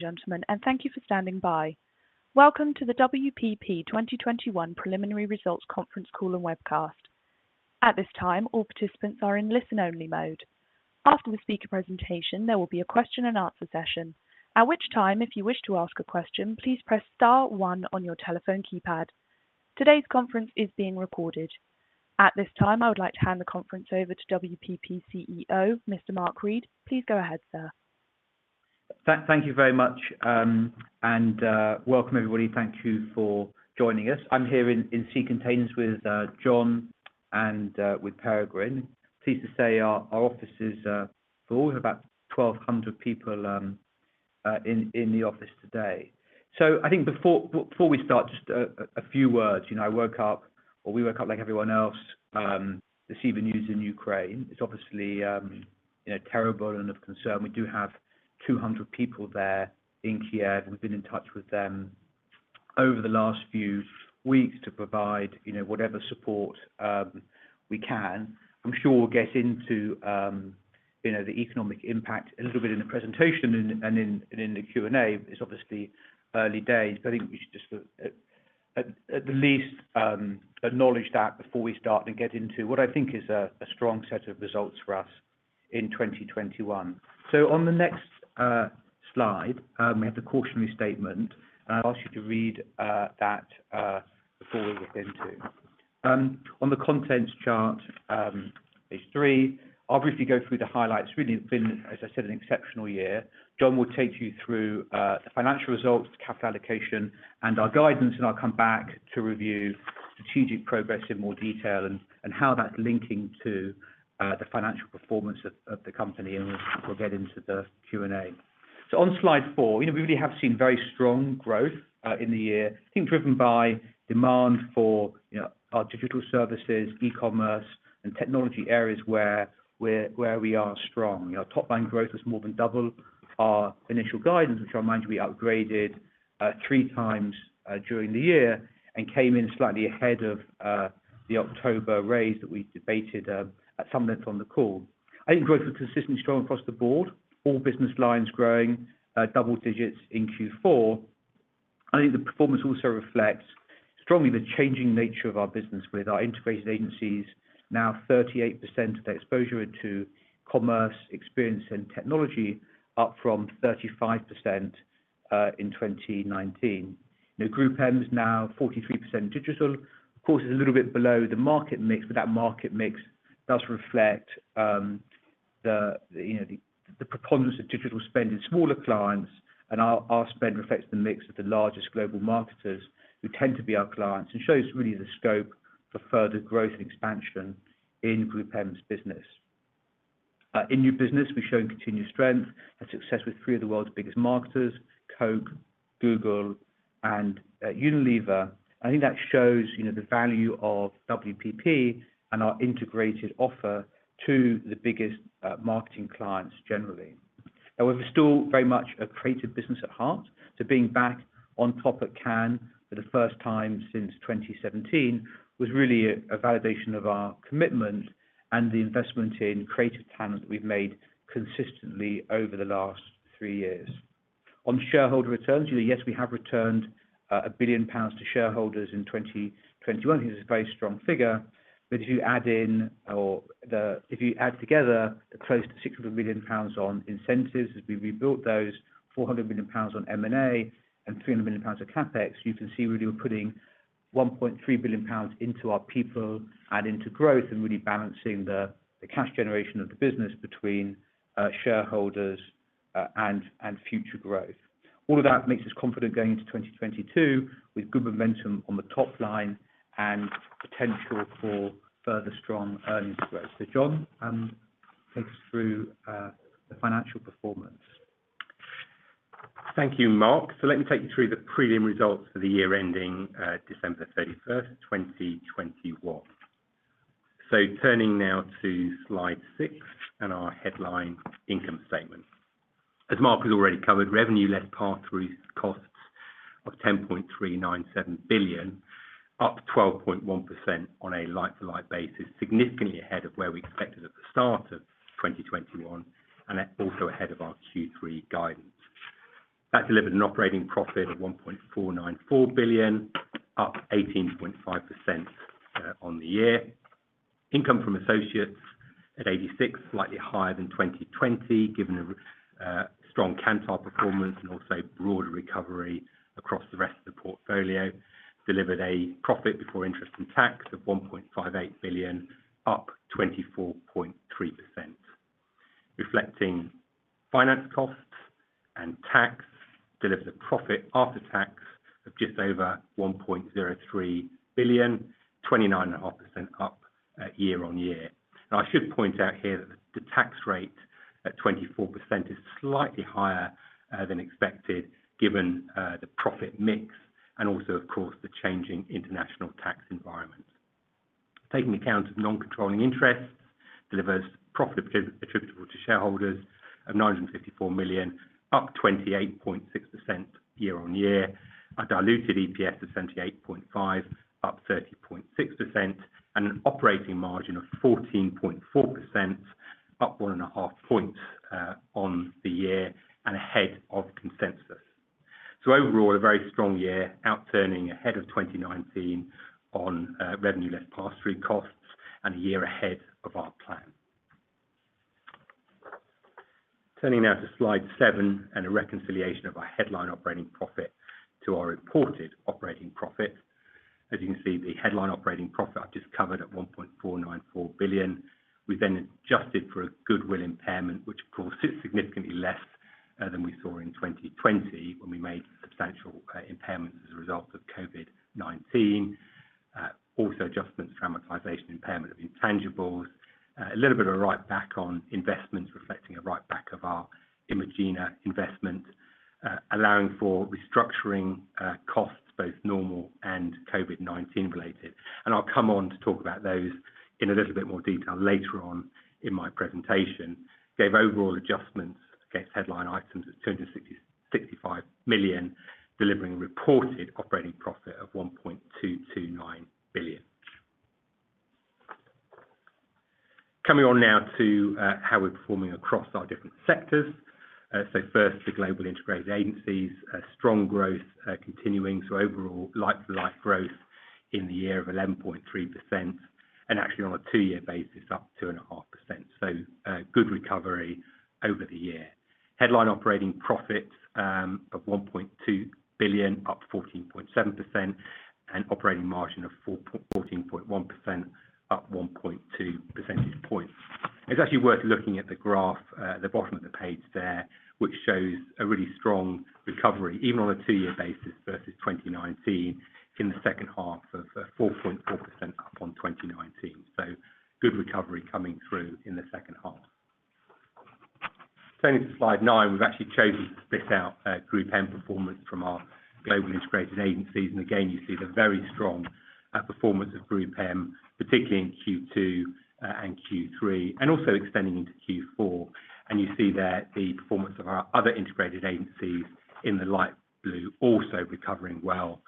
Gentlemen, and thank you for standing by. Welcome to the WPP 2021 preliminary results conference call and webcast. At this time, all participants are in listen-only mode. After the speaker presentation, there will be a question and answer session. At which time, if you wish to ask a question, please press star 1 on your telephone keypad. Today's conference is being recorded. At this time, I would like to hand the conference over to WPP CEO, Mr. Mark Read. Please go ahead, sir. Thank you very much and welcome everybody. Thank you for joining us. I'm here in Sea Containers with John and with Peregrine. Pleased to say our office is. We're all about 1,200 people in the office today. I think before we start, just a few words. You know, I woke up, or we woke up like everyone else to see the news in Ukraine. It's obviously you know, terrible and of concern. We do have 200 people there in Kiev. We've been in touch with them over the last few weeks to provide you know, whatever support we can. I'm sure we'll get into you know, the economic impact a little bit in the presentation and in the Q&A. It's obviously early days, but I think we should just at least acknowledge that before we start and get into what I think is a strong set of results for us in 2021. On the next slide, we have the cautionary statement, and I'd ask you to read that before we look into. On the contents chart, page 3, I'll briefly go through the highlights. It's really been, as I said, an exceptional year. John will take you through the financial results, capital allocation, and our guidance, and I'll come back to review strategic progress in more detail and how that's linking to the financial performance of the company, and we'll get into the Q&A. On slide 4, you know, we really have seen very strong growth in the year. I think driven by demand for, you know, our digital services, e-commerce, and technology areas where we are strong. You know, top line growth has more than doubled our initial guidance, which I'll remind you we upgraded 3 times during the year and came in slightly ahead of the October raise that we debated at some length on the call. I think growth was consistently strong across the board, all business lines growing double digits in Q4. I think the performance also reflects strongly the changing nature of our business, with our integrated agencies now 38% of the exposure into commerce, experience, and technology, up from 35% in 2019. You know, GroupM is now 43% digital. Of course, it's a little bit below the market mix, but that market mix does reflect the preponderance of digital spend in smaller clients, and our spend reflects the mix of the largest global marketers who tend to be our clients and shows really the scope for further growth and expansion in GroupM's business. In new business, we've shown continued strength and success with three of the world's biggest marketers, Coca-Cola, Google, and Unilever. I think that shows the value of WPP and our integrated offer to the biggest marketing clients generally. However, we're still very much a creative business at heart, so being back on top at Cannes for the first time since 2017 was really a validation of our commitment and the investment in creative talent that we've made consistently over the last three years. On shareholder returns, you know, yes, we have returned 1 billion pounds to shareholders in 2021. I think this is a very strong figure, but if you add together the close to 600 million pounds on incentives as we rebuilt those, 400 million pounds on M&A, and 300 million pounds of CapEx, you can see really we're putting 1.3 billion pounds into our people and into growth and really balancing the cash generation of the business between shareholders and future growth. All of that makes us confident going into 2022 with good momentum on the top line and potential for further strong earnings growth. John, take us through the financial performance. Thank you, Mark. Let me take you through the preliminary results for the year ending December 31, 2021. Turning now to slide 6 and our headline income statement. As Mark has already covered, revenue less pass-through costs of 10.397 billion, up 12.1% on a like-for-like basis, significantly ahead of where we expected at the start of 2021 and also ahead of our Q3 guidance. That delivered an operating profit of 1.494 billion, up 18.5% on the year. Income from associates at 86 million, slightly higher than 2020, given strong Kantar performance and also broader recovery across the rest of the portfolio, delivered a profit before interest and tax of 1.58 billion, up 24.3%. Reflecting finance costs and tax delivered a profit after tax of just over 1.03 billion, 29.5% up year-on-year. Now, I should point out here that the tax rate at 24% is slightly higher than expected, given the profit mix and also, of course, the changing international tax environment. Taking account of non-controlling interests delivers profit attributable to shareholders of 954 million, up 28.6% year-on-year. A diluted EPS of 78.5, up 30.6%, and an operating margin of 14.4%. Up 1.5 points year-on-year and ahead of consensus. Overall, a very strong year out-turning ahead of 2019 on revenue less pass-through costs and a year ahead of our plan. Turning now to slide seven and a reconciliation of our headline operating profit to our reported operating profit. As you can see, the headline operating profit I've just covered at 1.494 billion. We then adjusted for a goodwill impairment, which of course is significantly less than we saw in 2020 when we made substantial impairments as a result of COVID-19. Also adjustments to amortization, impairment of intangibles, a little bit of a write back on investments reflecting a write back of our Imagina investment, allowing for restructuring costs both normal and COVID-19 related. I'll come on to talk about those in a little bit more detail later on in my presentation. Gave overall adjustments against headline items of 265 million, delivering a reported operating profit of 1.229 billion. Coming on now to how we're performing across our different sectors. First, the global integrated agencies, strong growth continuing. Overall like-for-like growth in the year of 11.3%. Actually on a two-year basis, up 2.5%. Good recovery over the year. Headline operating profits up 1.2 billion, up 14.7%, and operating margin of 14.1%, up 1.2 percentage points. It's actually worth looking at the graph at the bottom of the page there, which shows a really strong recovery even on a two-year basis versus 2019 in the second half of 4.4% up on 2019. Good recovery coming through in the second half. Turning to slide 9, we've actually chosen to split out GroupM performance from our global integrated agencies. Again, you see the very strong performance of GroupM, particularly in Q2 and Q3, and also extending into Q4. You see there the performance of our other integrated agencies in the light blue also recovering well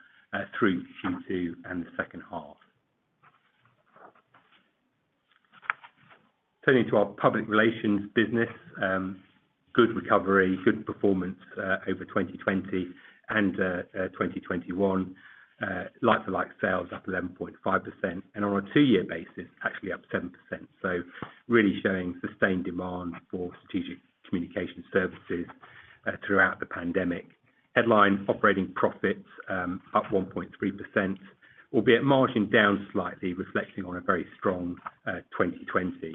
through Q2 and the second half. Turning to our public relations business, good recovery, good performance over 2020 and 2021. Like-for-like sales up 11.5%, and on a two-year basis, actually up 7%. Really showing sustained demand for strategic communication services throughout the pandemic. Headline operating profits up 1.3%, albeit margin down slightly, reflecting on a very strong 2020.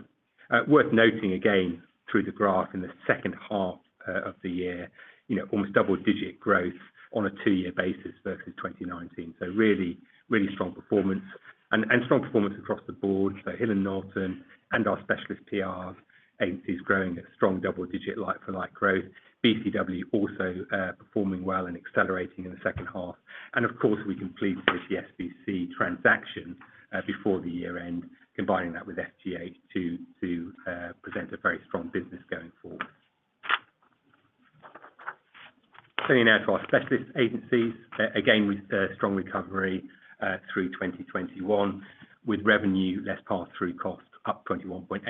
Worth noting again through the graph in the second half of the year, you know, almost double-digit growth on a two-year basis versus 2019. Really strong performance and strong performance across the board. Hill & Knowlton and our specialist PR agencies growing at strong double-digit like-for-like growth. BCW also performing well and accelerating in the second half. Of course, we completed the Sard Verbinnen transaction before the year-end, combining that with FGH to present a very strong business going forward. Turning now to our specialist agencies. Again, with strong recovery through 2021, with revenue less pass-through cost up 21.8%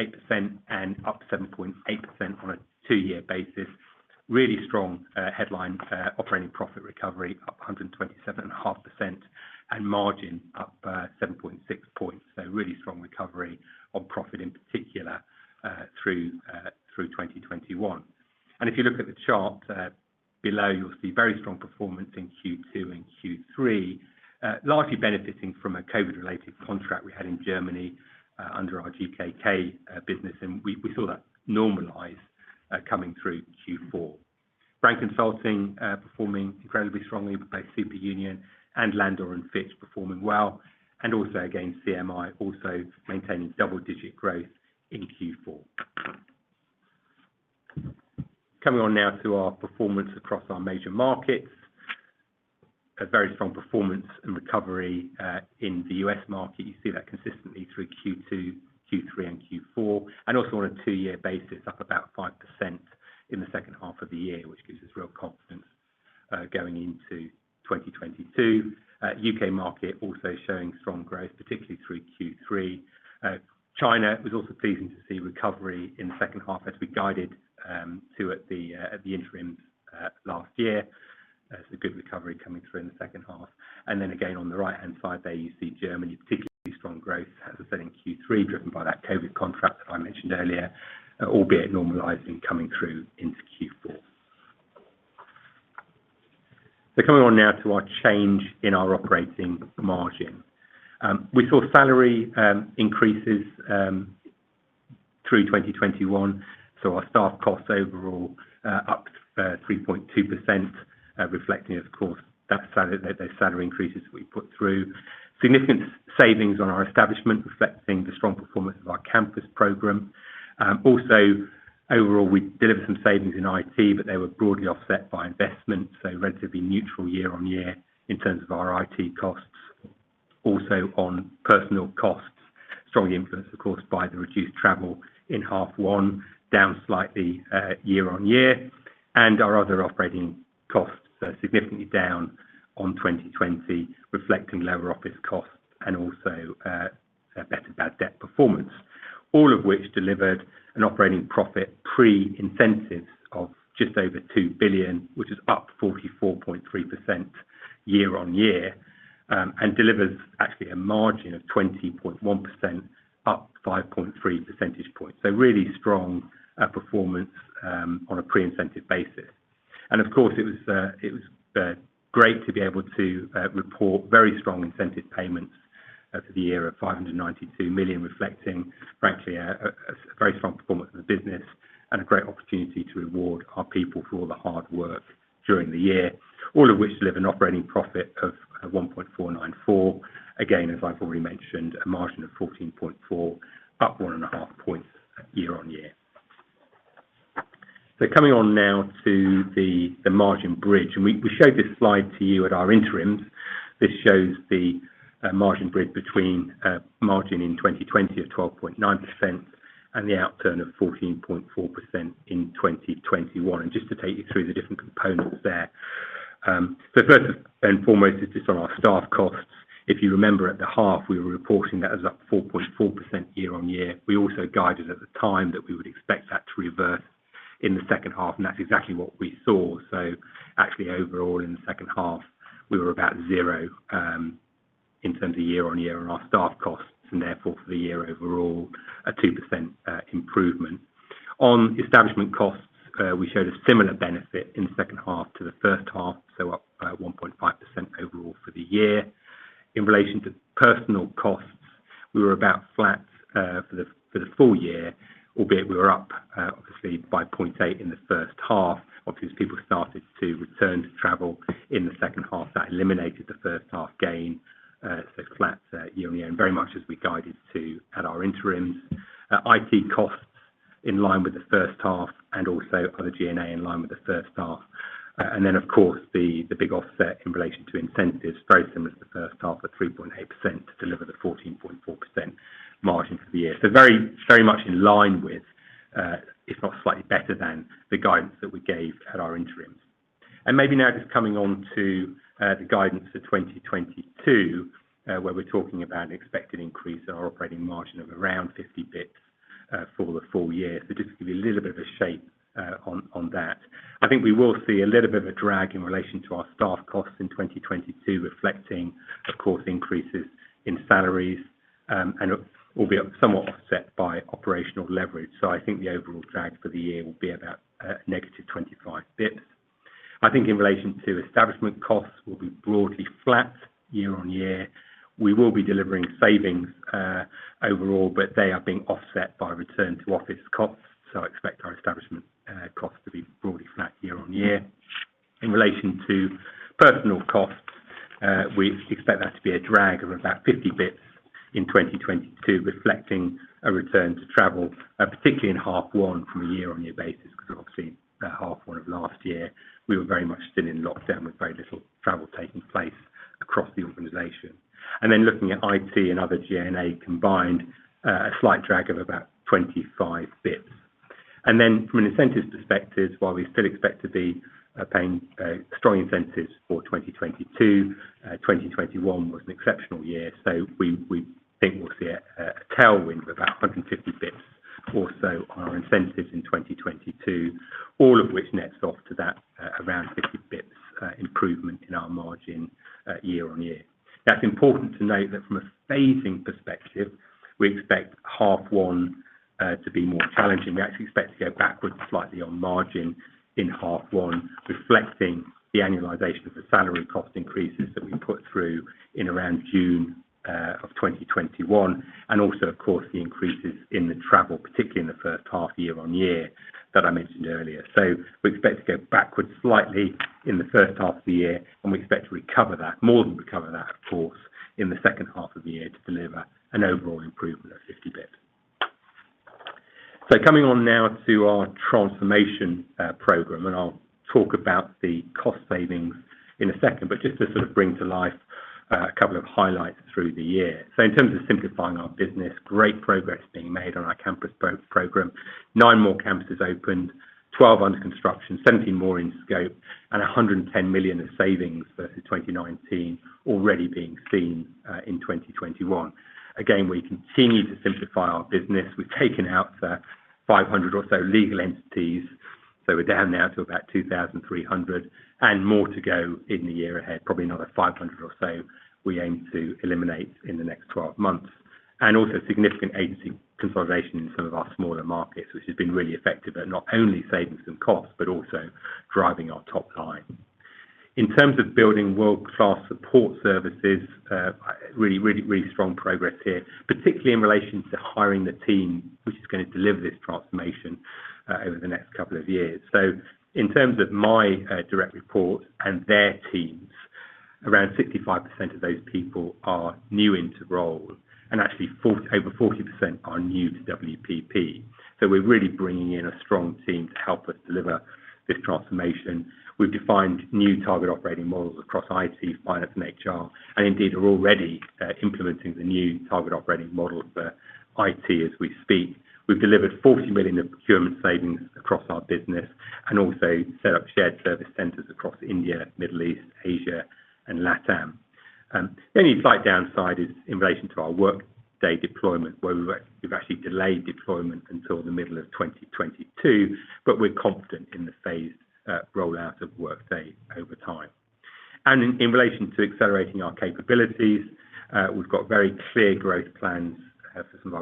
and up 7.8% on a two-year basis. Really strong headline operating profit recovery up 127.5%, and margin up 7.6 points. Really strong recovery on profit in particular through 2021. If you look at the chart below, you'll see very strong performance in Q2 and Q3, largely benefiting from a COVID-related contract we had in Germany under our GKK business, and we saw that normalize coming through Q4. Brand consulting performing incredibly strongly, with both Superunion and Landor & Fitch performing well, and also again, CMI also maintaining double-digit growth in Q4. Coming on now to our performance across our major markets. A very strong performance and recovery in the U.S. market. You see that consistently through Q2, Q3, and Q4, and also on a two-year basis, up about 5% in the second half of the year, which gives us real confidence going into 2022. UK market also showing strong growth, particularly through Q3. China was also pleasing to see recovery in the second half as we guided to at the interim last year. Good recovery coming through in the second half. Again, on the right-hand side there, you see Germany, particularly strong growth, as I said, in Q3, driven by that COVID contract that I mentioned earlier, albeit normalizing coming through into Q4. Coming on now to our change in our operating margin. We saw salary increases through 2021. Our staff costs overall up 3.2%, reflecting of course those salary increases we put through. Significant savings on our establishment, reflecting the strong performance of our campus program. Overall, we delivered some savings in IT, but they were broadly offset by investment, so relatively neutral year-on-year in terms of our IT costs. On personnel costs, strongly influenced of course by the reduced travel in half one, down slightly year-on-year. Our other operating costs are significantly down on 2020, reflecting lower office costs and also a better bad debt performance. All of which delivered an operating profit pre-incentives of just over 2 billion, which is up 44.3% year-on-year, and delivers actually a margin of 20.1% up 5.3 percentage points. Really strong performance on a pre-incentive basis. Of course, it was great to be able to report very strong incentive payments for the year of 592 million, reflecting frankly a very strong performance of the business and a great opportunity to reward our people for all the hard work during the year. All of which deliver an operating profit of 1.494. Again, as I've already mentioned, a margin of 14.4% up 1.5 points year-on-year. Coming on now to the margin bridge. We showed this slide to you at our interims. This shows the margin bridge between margin in 2020 of 12.9% and the outturn of 14.4% in 2021. Just to take you through the different components there. First and foremost is just on our staff costs. If you remember at the half, we were reporting that as up 4.4% year-over-year. We also guided at the time that we would expect that to reverse in the second half, and that's exactly what we saw. Actually overall in the second half, we were about zero in terms of year-over-year on our staff costs, and therefore for the year overall, a 2% improvement. On establishment costs, we showed a similar benefit in the second half to the first half, up 1.5% overall for the year. In relation to personal costs, we were about flat for the full year, albeit we were up obviously by 0.8% in the first half. Obviously, as people started to return to travel in the second half, that eliminated the first half gain. So it's flat year on year and very much as we guided to at our interims. IT costs in line with the first half and also other G&A in line with the first half. And then of course the big offset in relation to incentives, very similar to the first half at 3.8% to deliver the 14.4% margin for the year. So very, very much in line with, if not slightly better than the guidance that we gave at our interims. Maybe now just coming on to the guidance for 2022, where we're talking about an expected increase in our operating margin of around 50 bps for the full year. Just to give you a little bit of a shape on that. I think we will see a little bit of a drag in relation to our staff costs in 2022, reflecting of course increases in salaries, and it will be somewhat offset by operational leverage. I think the overall drag for the year will be about -25 bps. I think in relation to establishment costs will be broadly flat year-on-year. We will be delivering savings overall, but they are being offset by return to office costs. I expect our establishment costs to be broadly flat year-on-year. In relation to personnel costs, we expect that to be a drag of about 50 bps in 2022, reflecting a return to travel, particularly in half one from a year-on-year basis, because obviously half one of last year, we were very much still in lockdown with very little travel taking place across the organization. Then looking at IT and other G&A combined, a slight drag of about 25 bps. Then from an incentives perspective, while we still expect to be paying strong incentives for 2022, 2021 was an exceptional year. We think we'll see a tailwind of about 50 bps or so on our incentives in 2022, all of which nets off to that around 50 bps improvement in our margin year-on-year. Now, it's important to note that from a phasing perspective, we expect half one to be more challenging. We actually expect to go backwards slightly on margin in half one, reflecting the annualization of the salary cost increases that we put through in around June of 2021. Of course, the increases in the travel, particularly in the first half year-over-year that I mentioned earlier. We expect to go backwards slightly in the first half of the year, and we expect to recover that, more than recover that, of course, in the second half of the year to deliver an overall improvement of 50 basis points. Coming on now to our transformation program, and I'll talk about the cost savings in a second, but just to sort of bring to life a couple of highlights through the year. In terms of simplifying our business, great progress being made on our campus program, 9 more campuses opened, 12 under construction, 17 more in scope, and 110 million of savings versus 2019 already being seen in 2021. Again we continue to simplify our business. We've taken out 500 or so legal entities, so we're down now to about 2,300 and more to go in the year ahead. Probably another 500 or so we aim to eliminate in the next 12 months. Also significant agency consolidation in some of our smaller markets, which has been really effective at not only saving some costs, but also driving our top line. In terms of building world-class support services, really strong progress here, particularly in relation to hiring the team which is gonna deliver this transformation over the next couple of years. In terms of my direct reports and their teams, around 65% of those people are new into role, and actually over 40% are new to WPP. We're really bringing in a strong team to help us deliver this transformation. We've defined new target operating models across IT, finance, and HR, and indeed are already implementing the new target operating model for IT as we speak. We've delivered 40 million of procurement savings across our business and also set up shared service centers across India, Middle East, Asia, and LATAM. The only slight downside is in relation to our Workday deployment, where we've actually delayed deployment until the middle of 2022, but we're confident in the phased rollout of Workday over time. In relation to accelerating our capabilities, we've got very clear growth plans for some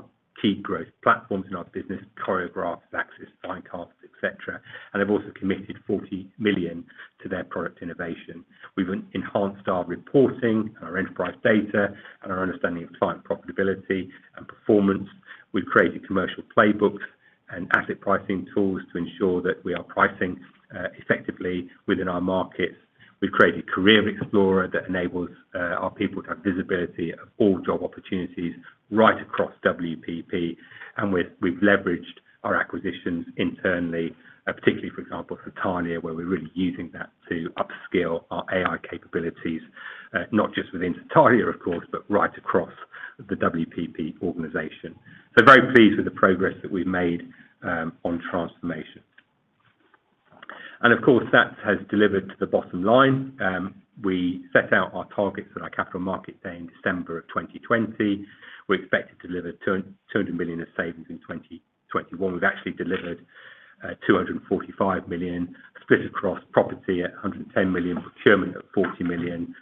of our key growth platforms in our business, Choreograph, Xaxis, Finecast, et cetera, and have also committed 40 million to their product innovation. We've enhanced our reporting and our enterprise data and our understanding of client profitability and performance. We've created commercial playbooks and asset pricing tools to ensure that we are pricing effectively within our markets. We've created Career Explorer that enables our people to have visibility of all job opportunities right across WPP. We've leveraged our acquisitions internally, particularly, for example, for Satalia, where we're really using that to upskill our AI capabilities, not just within Satalia, of course, but right across the WPP organization. Very pleased with the progress that we've made on transformation. Of course, that has delivered to the bottom line. We set out our targets at our Capital Markets Day in December 2020. We expected to deliver 200 million of savings in 2021. We've actually delivered 245 million split across property at 110 million, procurement at 40 million,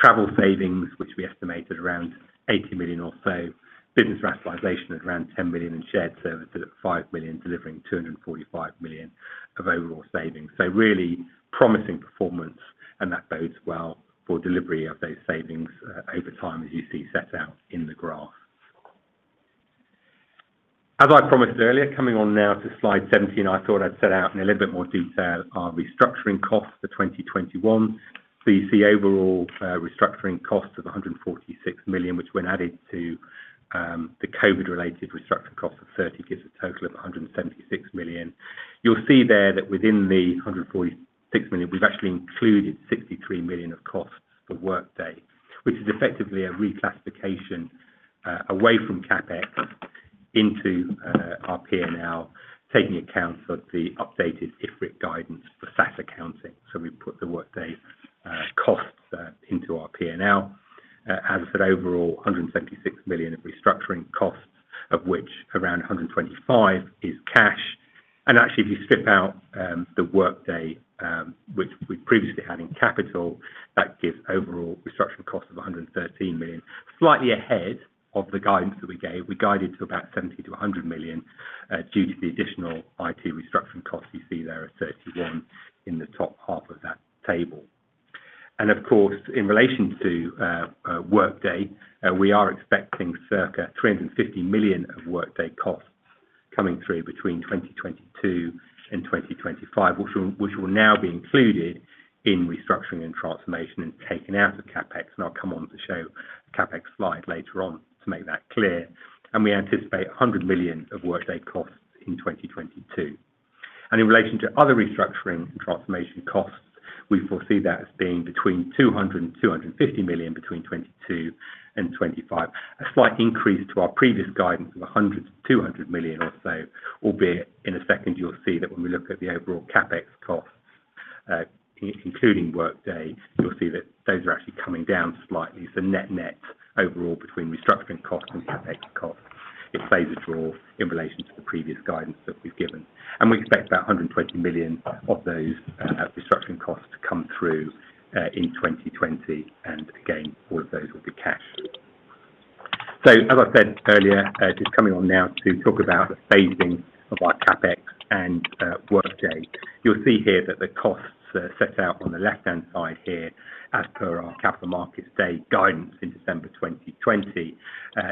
travel savings, which we estimated around 80 million or so, business rationalization at around 10 million, and shared services at 5 million, delivering 245 million of overall savings. Really promising performance, and that bodes well for delivery of those savings over time, as you see set out in the graph. As I promised earlier, coming on now to slide 17, I thought I'd set out in a little bit more detail our restructuring costs for 2021. You see overall restructuring costs of 146 million, which when added to the COVID related restructuring cost of 30 million gives a total of 176 million. You'll see there that within the 146 million, we've actually included 63 million of costs for Workday, which is effectively a reclassification away from CapEx into our P&L, taking account of the updated IFRIC guidance for SaaS accounting. We've put the Workday costs into our P&L. As I said, overall, 176 million of restructuring costs, of which around 125 million is cash. Actually, if you strip out the Workday, which we previously had in capital, that gives overall restructuring costs of 113 million. Slightly ahead of the guidance that we gave. We guided to about 70 million-100 million due to the additional IT restructuring costs you see there at 31 million in the top half of that table. Of course, in relation to Workday, we are expecting circa 350 million of Workday costs coming through between 2022 and 2025, which will now be included in restructuring and transformation and taken out of CapEx. I'll come on to show a CapEx slide later on to make that clear. We anticipate 100 million of Workday costs in 2022. In relation to other restructuring and transformation costs, we foresee that as being between 200 million and 250 million between 2022 and 2025. A slight increase to our previous guidance of 100-200 million or so, albeit in a second you'll see that when we look at the overall CapEx costs, including Workday, you'll see that those are actually coming down slightly. Net-net overall between restructuring costs and CapEx costs, it plays a draw in relation to the previous guidance that we've given. We expect about 120 million of those restructuring costs to come through in 2020. Again, all of those will be cash. As I said earlier, just coming on now to talk about the phasing of our CapEx and Workday. You'll see here that the costs are set out on the left-hand side here as per our Capital Markets Day guidance in December 2020.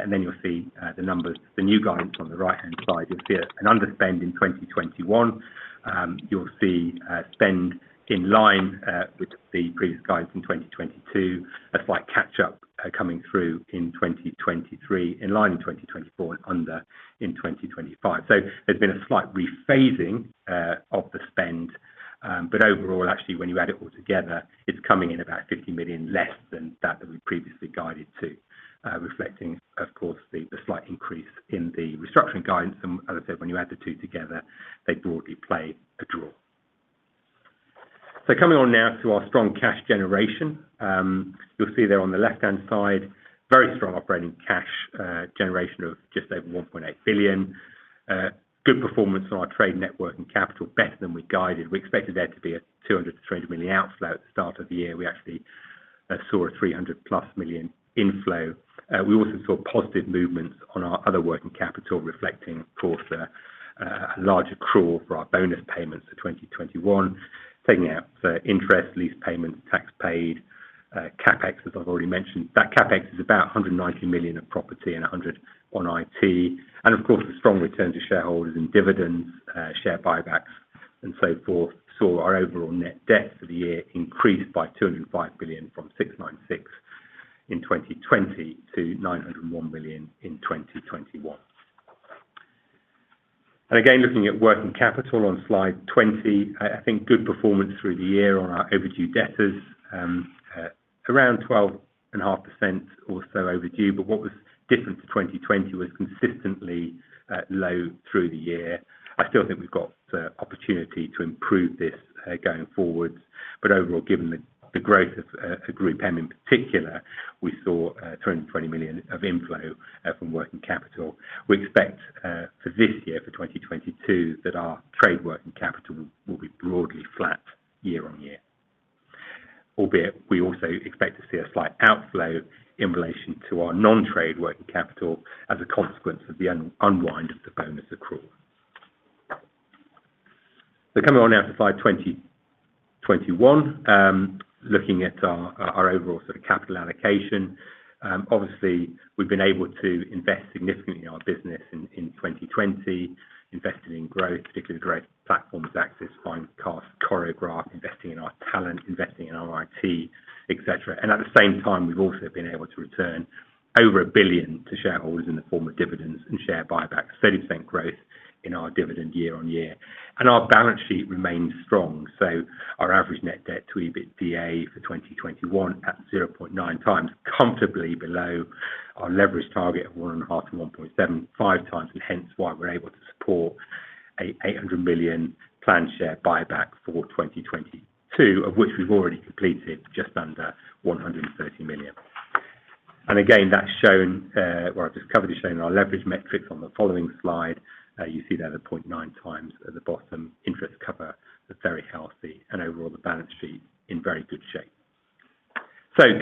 Then you'll see the numbers, the new guidance on the right-hand side. You'll see an underspend in 2021. You'll see spend in line with the previous guidance in 2022. A slight catch-up coming through in 2023, in line in 2024, and under in 2025. There's been a slight rephasing of the spend. Overall, actually, when you add it all together, it's coming in about 50 million less than that we previously guided to, reflecting, of course, the slight increase in the restructuring guidance. When you add the two together, they broadly play a draw. Coming on now to our strong cash generation. You'll see there on the left-hand side, very strong operating cash generation of just over 1.8 billion. Good performance on our trade net working capital, better than we guided. We expected there to be a 200 million-300 million outflow at the start of the year. We actually saw a 300+ million inflow. We also saw positive movements on our other working capital, reflecting of course a large accrual for our bonus payments for 2021. Taking out interest, lease payments, tax paid, CapEx, as I've already mentioned. That CapEx is about 190 million of property and 100 on IT. Of course, the strong return to shareholders in dividends, share buybacks, and so forth, saw our overall net debt for the year increase by 205 million from 696 million in 2020 to 901 million in 2021. Again, looking at working capital on slide 20, I think good performance through the year on our overdue debtors. Around 12.5% or so overdue, what was different to 2020 was consistently low through the year. I still think we've got the opportunity to improve this going forward. Overall, given the growth of GroupM in particular, we saw 220 million of inflow from working capital. We expect for this year, for 2022, that our trade working capital will be broadly flat year-on-year. Albeit, we also expect to see a slight outflow in relation to our non-trade working capital as a consequence of the unwind of the bonus accrual. Coming on now to slide 2021, looking at our overall sort of capital allocation. Obviously we've been able to invest significantly in our business in 2020, investing in growth, particularly the growth platforms, Xaxis, Finecast, Choreograph, investing in our talent, investing in our IT, etc. At the same time, we've also been able to return over 1 billion to shareholders in the form of dividends and share buybacks, 30% growth in our dividend year-over-year. Our balance sheet remains strong. Our average net debt to EBITDA for 2021 at 0.9 times, comfortably below our leverage target of 1.5-1.75 times, and hence why we're able to support a 800 million planned share buyback for 2022, of which we've already completed just under 130 million. I've just covered our leverage metrics on the following slide. You see that at 0.9 times at the bottom. Interest cover is very healthy and overall the balance sheet is in very good shape.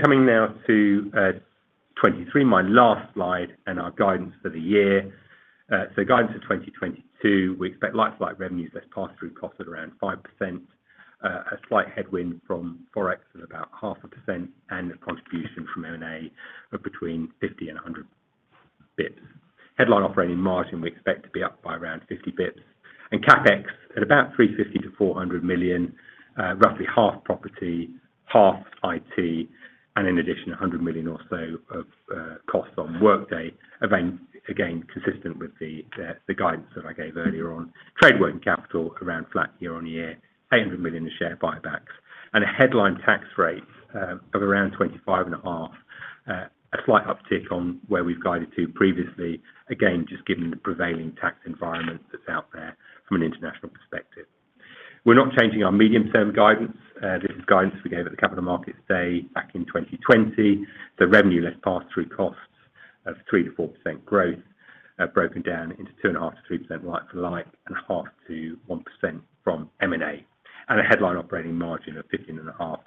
Coming now to 2023, my last slide and our guidance for the year. Guidance for 2022, we expect like-for-like revenues less pass-through costs at around 5%. A slight headwind from Forex at about 0.5%, and a contribution from M&A of between 50 and 100 basis points. Headline operating margin we expect to be up by around 50 basis points. CapEx at about 350 million-400 million, roughly half property, half IT, and in addition, 100 million or so of costs on Workday. Again, consistent with the guidance that I gave earlier on. Trade working capital around flat year-over-year. 800 million in share buybacks. A headline tax rate of around 25.5%. A slight uptick on where we've guided to previously. Again, just given the prevailing tax environment that's out there from an international perspective. We're not changing our medium-term guidance. This is guidance we gave at the Capital Markets Day back in 2020. The revenue less pass-through costs of 3%-4% growth, broken down into 2.5%-3% like for like, and 0.5%-1% from M&A. A headline operating margin of 15.5%-16%.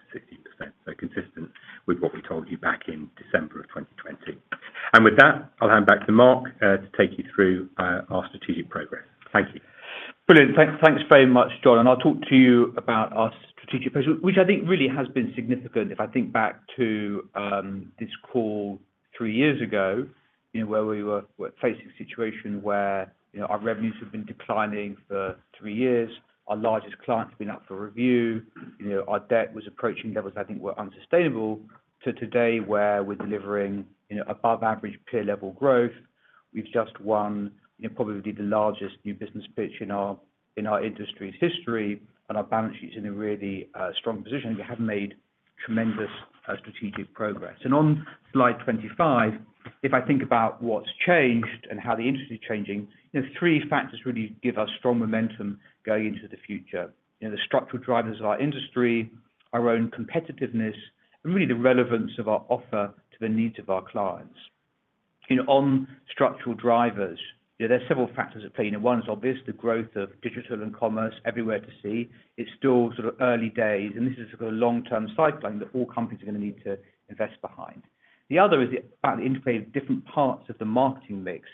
Consistent with what we told you back in December of 2020. With that, I'll hand back to Mark to take you through our strategic progress. Thank you. Brilliant. Thanks very much, John. I'll talk to you about our strategic position, which I think really has been significant. If I think back to this call three years ago, you know, where we were facing a situation where, you know, our revenues had been declining for three years, our largest client had been up for review, you know, our debt was approaching levels I think were unsustainable. To today, where we're delivering, you know, above average peer level growth. We've just won, you know, probably the largest new business pitch in our industry's history, and our balance sheet's in a really strong position. We have made tremendous strategic progress. On slide 25, if I think about what's changed and how the industry is changing, you know, three factors really give us strong momentum going into the future. You know, the structural drivers of our industry, our own competitiveness, and really the relevance of our offer to the needs of our clients. You know, on structural drivers, you know, there are several factors at play, and one is obvious, the growth of digital and commerce everywhere to see. It's still sort of early days, and this is a long-term tailwind that all companies are gonna need to invest in. The other is the fact that integrating different parts of the marketing mix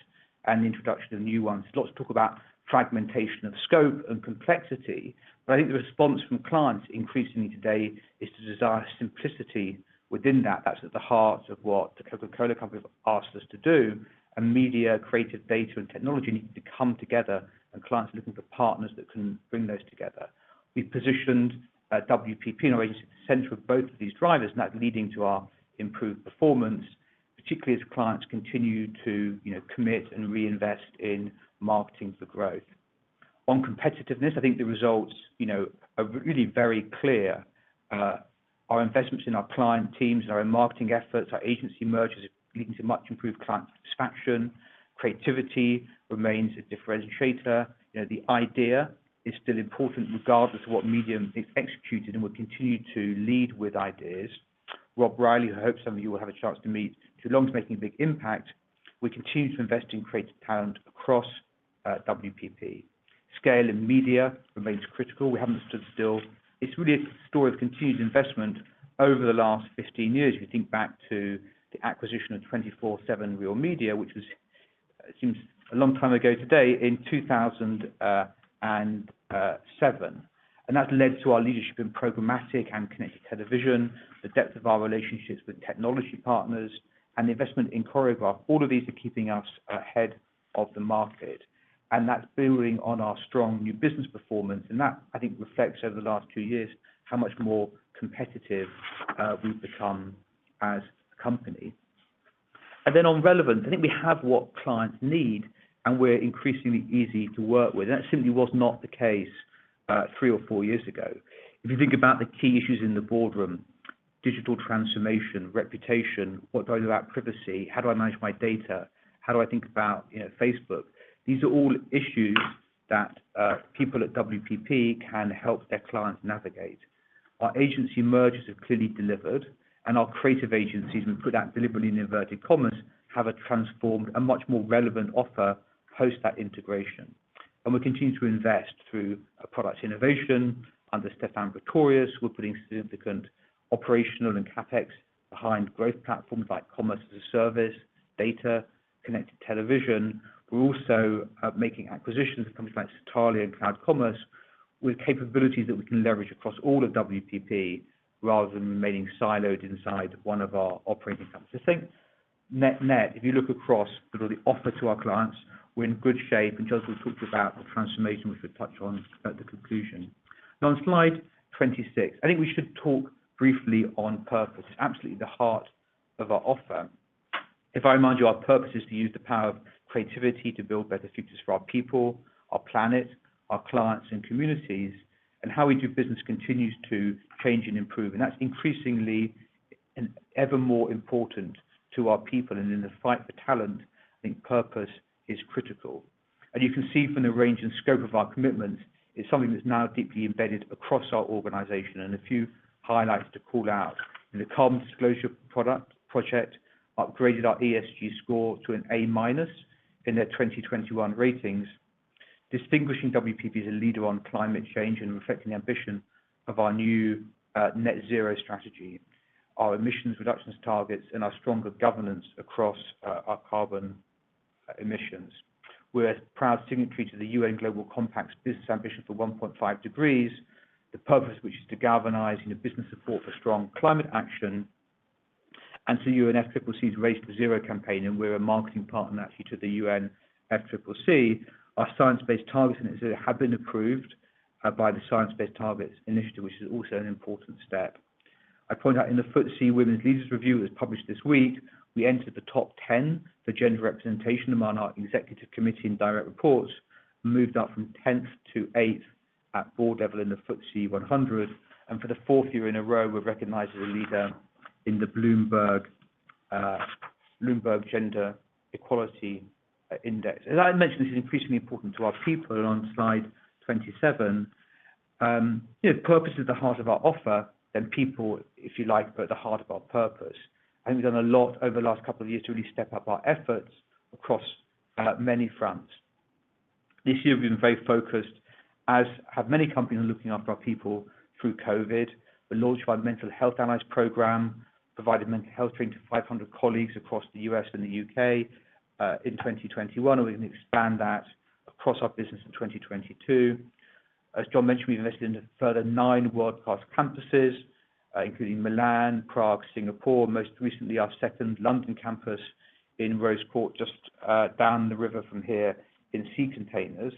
and the introduction of new ones. There's lots of talk about fragmentation of scope and complexity, but I think the response from clients increasingly today is to desire simplicity within that. That's at the heart of what The Coca-Cola Company have asked us to do, and media, creative, data, and technology need to come together, and clients are looking for partners that can bring those together. We've positioned WPP in a way central to both of these drivers, and that's leading to our improved performance, particularly as clients continue to, you know, commit and reinvest in marketing for growth. On competitiveness, I think the results, you know, are really very clear. Our investments in our client teams and our marketing efforts, our agency mergers are leading to much improved client satisfaction. Creativity remains a differentiator. You know, the idea is still important regardless of what medium is executed, and we'll continue to lead with ideas. Rob Reilly, who I hope some of you will have a chance to meet, is already making a big impact. We continue to invest in creative talent across WPP. Scale in media remains critical. We haven't stood still. It's really a story of continued investment over the last 15 years. If you think back to the acquisition of 24/7 Real Media, which was, it seems, a long time ago today, in 2007. That led to our leadership in programmatic and connected television, the depth of our relationships with technology partners, and the investment in Choreograph. All of these are keeping us ahead of the market, and that's building on our strong new business performance. That, I think, reflects over the last two years how much more competitive we've become as a company. Then on relevance, I think we have what clients need, and we're increasingly easy to work with. That simply was not the case three or four years ago. If you think about the key issues in the boardroom, digital transformation, reputation, what do I do about privacy? How do I manage my data? How do I think about, you know, Facebook? These are all issues that people at WPP can help their clients navigate. Our agency mergers have clearly delivered, and our creative agencies, we put that deliberately in inverted commas, have transformed a much more relevant offer post that integration. We continue to invest through product innovation under Stephan Pretorius, who is putting significant operational and CapEx behind growth platforms like Commerce as a Service, data, connected television. We're also making acquisitions of companies like Satalia and Cloud Commerce, with capabilities that we can leverage across all of WPP rather than remaining siloed inside one of our operating companies. I think net-net, if you look across sort of the offer to our clients, we're in good shape, and John will talk about the transformation, which we'll touch on at the conclusion. Now, on slide 26, I think we should talk briefly on purpose. It's absolutely the heart of our offer. If I remind you, our purpose is to use the power of creativity to build better futures for our people, our planet, our clients, and communities, and how we do business continues to change and improve. That's increasingly and ever more important to our people. In the fight for talent, I think purpose is critical. You can see from the range and scope of our commitments, it's something that's now deeply embedded across our organization. A few highlights to call out. The Carbon Disclosure Project upgraded our ESG score to an A- in their 2021 ratings, distinguishing WPP as a leader on climate change and reflecting the ambition of our new net zero strategy, our emissions reductions targets, and our stronger governance across our carbon emissions. We're a proud signatory to the UN Global Compact's business ambition for 1.5 degrees, the purpose which is to galvanize business support for strong climate action, and to UNFCCC's Race to Zero campaign, and we're a marketing partner actually to the UNFCCC. Our science-based targets have been approved by the Science Based Targets initiative, which is also an important step. I point out in the FTSE Women Leaders Review that was published this week, we entered the top 10 for gender representation among our executive committee and direct reports, and moved up from 10th to 8th at board level in the FTSE 100, and for the fourth year in a row, we're recognized as a leader in the Bloomberg Gender-Equality Index. As I mentioned, this is increasingly important to our people on slide 27. If purpose is the heart of our offer, then people, if you like, are at the heart of our purpose. We've done a lot over the last couple of years to really step up our efforts across many fronts. This year, we've been very focused, as have many companies, on looking after our people through COVID. We launched our mental health allies program, provided mental health training to 500 colleagues across the U.S. and the U.K. in 2021, and we're gonna expand that across our business in 2022. As John mentioned, we've invested in a further nine world-class campuses, including Milan, Prague, Singapore, most recently our second London campus in Rose Court, just down the river from here in Sea Containers.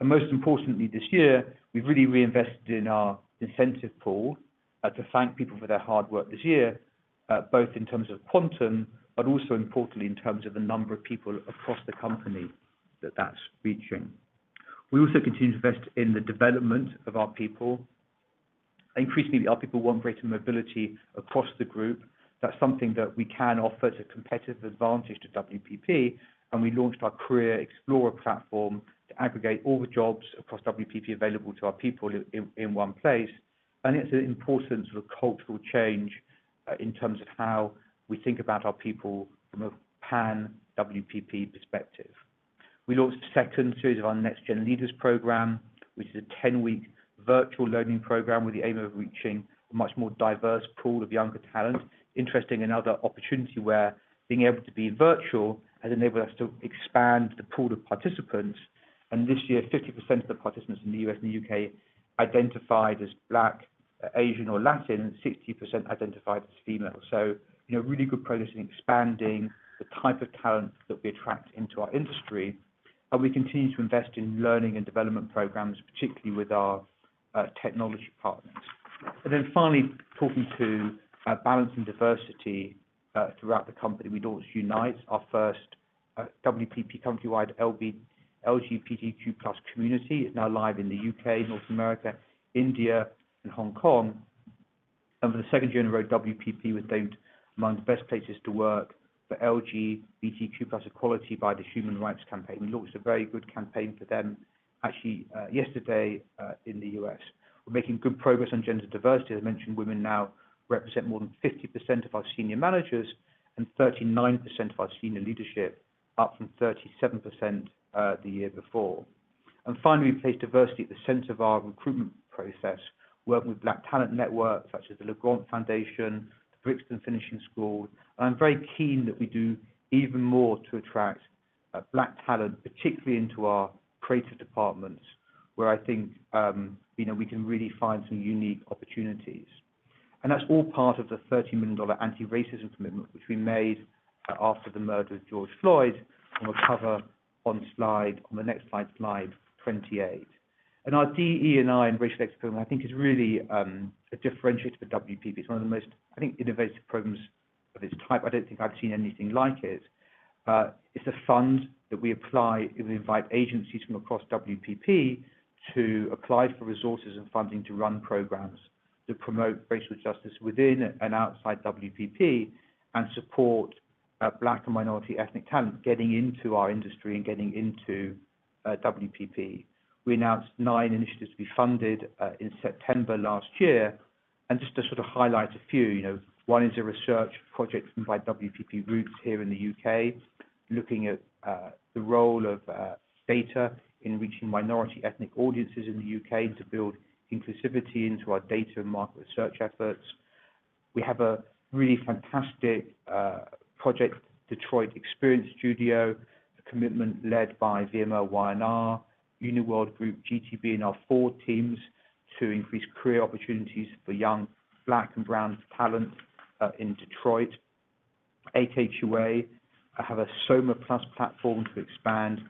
Most importantly this year, we've really reinvested in our incentive pool, to thank people for their hard work this year, both in terms of quantum, but also importantly in terms of the number of people across the company that that's reaching. We also continue to invest in the development of our people. Increasingly, our people want greater mobility across the group. That's something that we can offer as a competitive advantage to WPP, and we launched our Career Explorer platform to aggregate all the jobs across WPP available to our people in one place. It's an important sort of cultural change in terms of how we think about our people from a pan-WPP perspective. We launched the second series of our NextGen Leaders program, which is a 10-week virtual learning program with the aim of reaching a much more diverse pool of younger talent. Interesting, another opportunity where being able to be virtual has enabled us to expand the pool of participants and this year, 50% of the participants in the U.S. and the U.K. identified as Black, Asian or Latin, and 60% identified as female. You know, really good progress in expanding the type of talent that we attract into our industry, and we continue to invest in learning and development programs, particularly with our technology partners. Talking about balance and diversity throughout the company. We launched Unite, our first WPP company-wide LGBTQ+ community. It's now live in the UK, North America, India and Hong Kong. For the second year in a row, WPP was named among the best places to work for LGBTQ+ equality by the Human Rights Campaign. We launched a very good campaign for them actually yesterday in the U.S. We're making good progress on gender diversity. As I mentioned, women now represent more than 50% of our senior managers, and 39% of our senior leadership, up from 37% the year before. Finally, we place diversity at the center of our recruitment process, working with Black talent networks such as The LAGRANT Foundation, the Brixton Finishing School, and I'm very keen that we do even more to attract Black talent, particularly into our creative departments, where I think, you know, we can really find some unique opportunities. That's all part of the $30 million anti-racism commitment, which we made after the murder of George Floyd, and we'll cover on the next slide 28. Our DE&I and racial equity program, I think is really a differentiator for WPP. It's one of the most, I think, innovative programs of its type. I don't think I've seen anything like it. It's a fund that we apply and we invite agencies from across WPP to apply for resources and funding to run programs to promote racial justice within and outside WPP, and support black and minority ethnic talent getting into our industry and getting into WPP. We announced nine initiatives to be funded in September last year, and just to sort of highlight a few, you know, one is a research project by WPP groups here in the U.K. looking at the role of data in reaching minority ethnic audiences in the U.K. to build inclusivity into our data and market research efforts. We have a really fantastic project, Detroit Experience Studio, a commitment led by VMLY&R, UniWorld Group, GTB, and our four teams to increase career opportunities for young black and brown talent in Detroit. We have a SOMA Plus platform to expand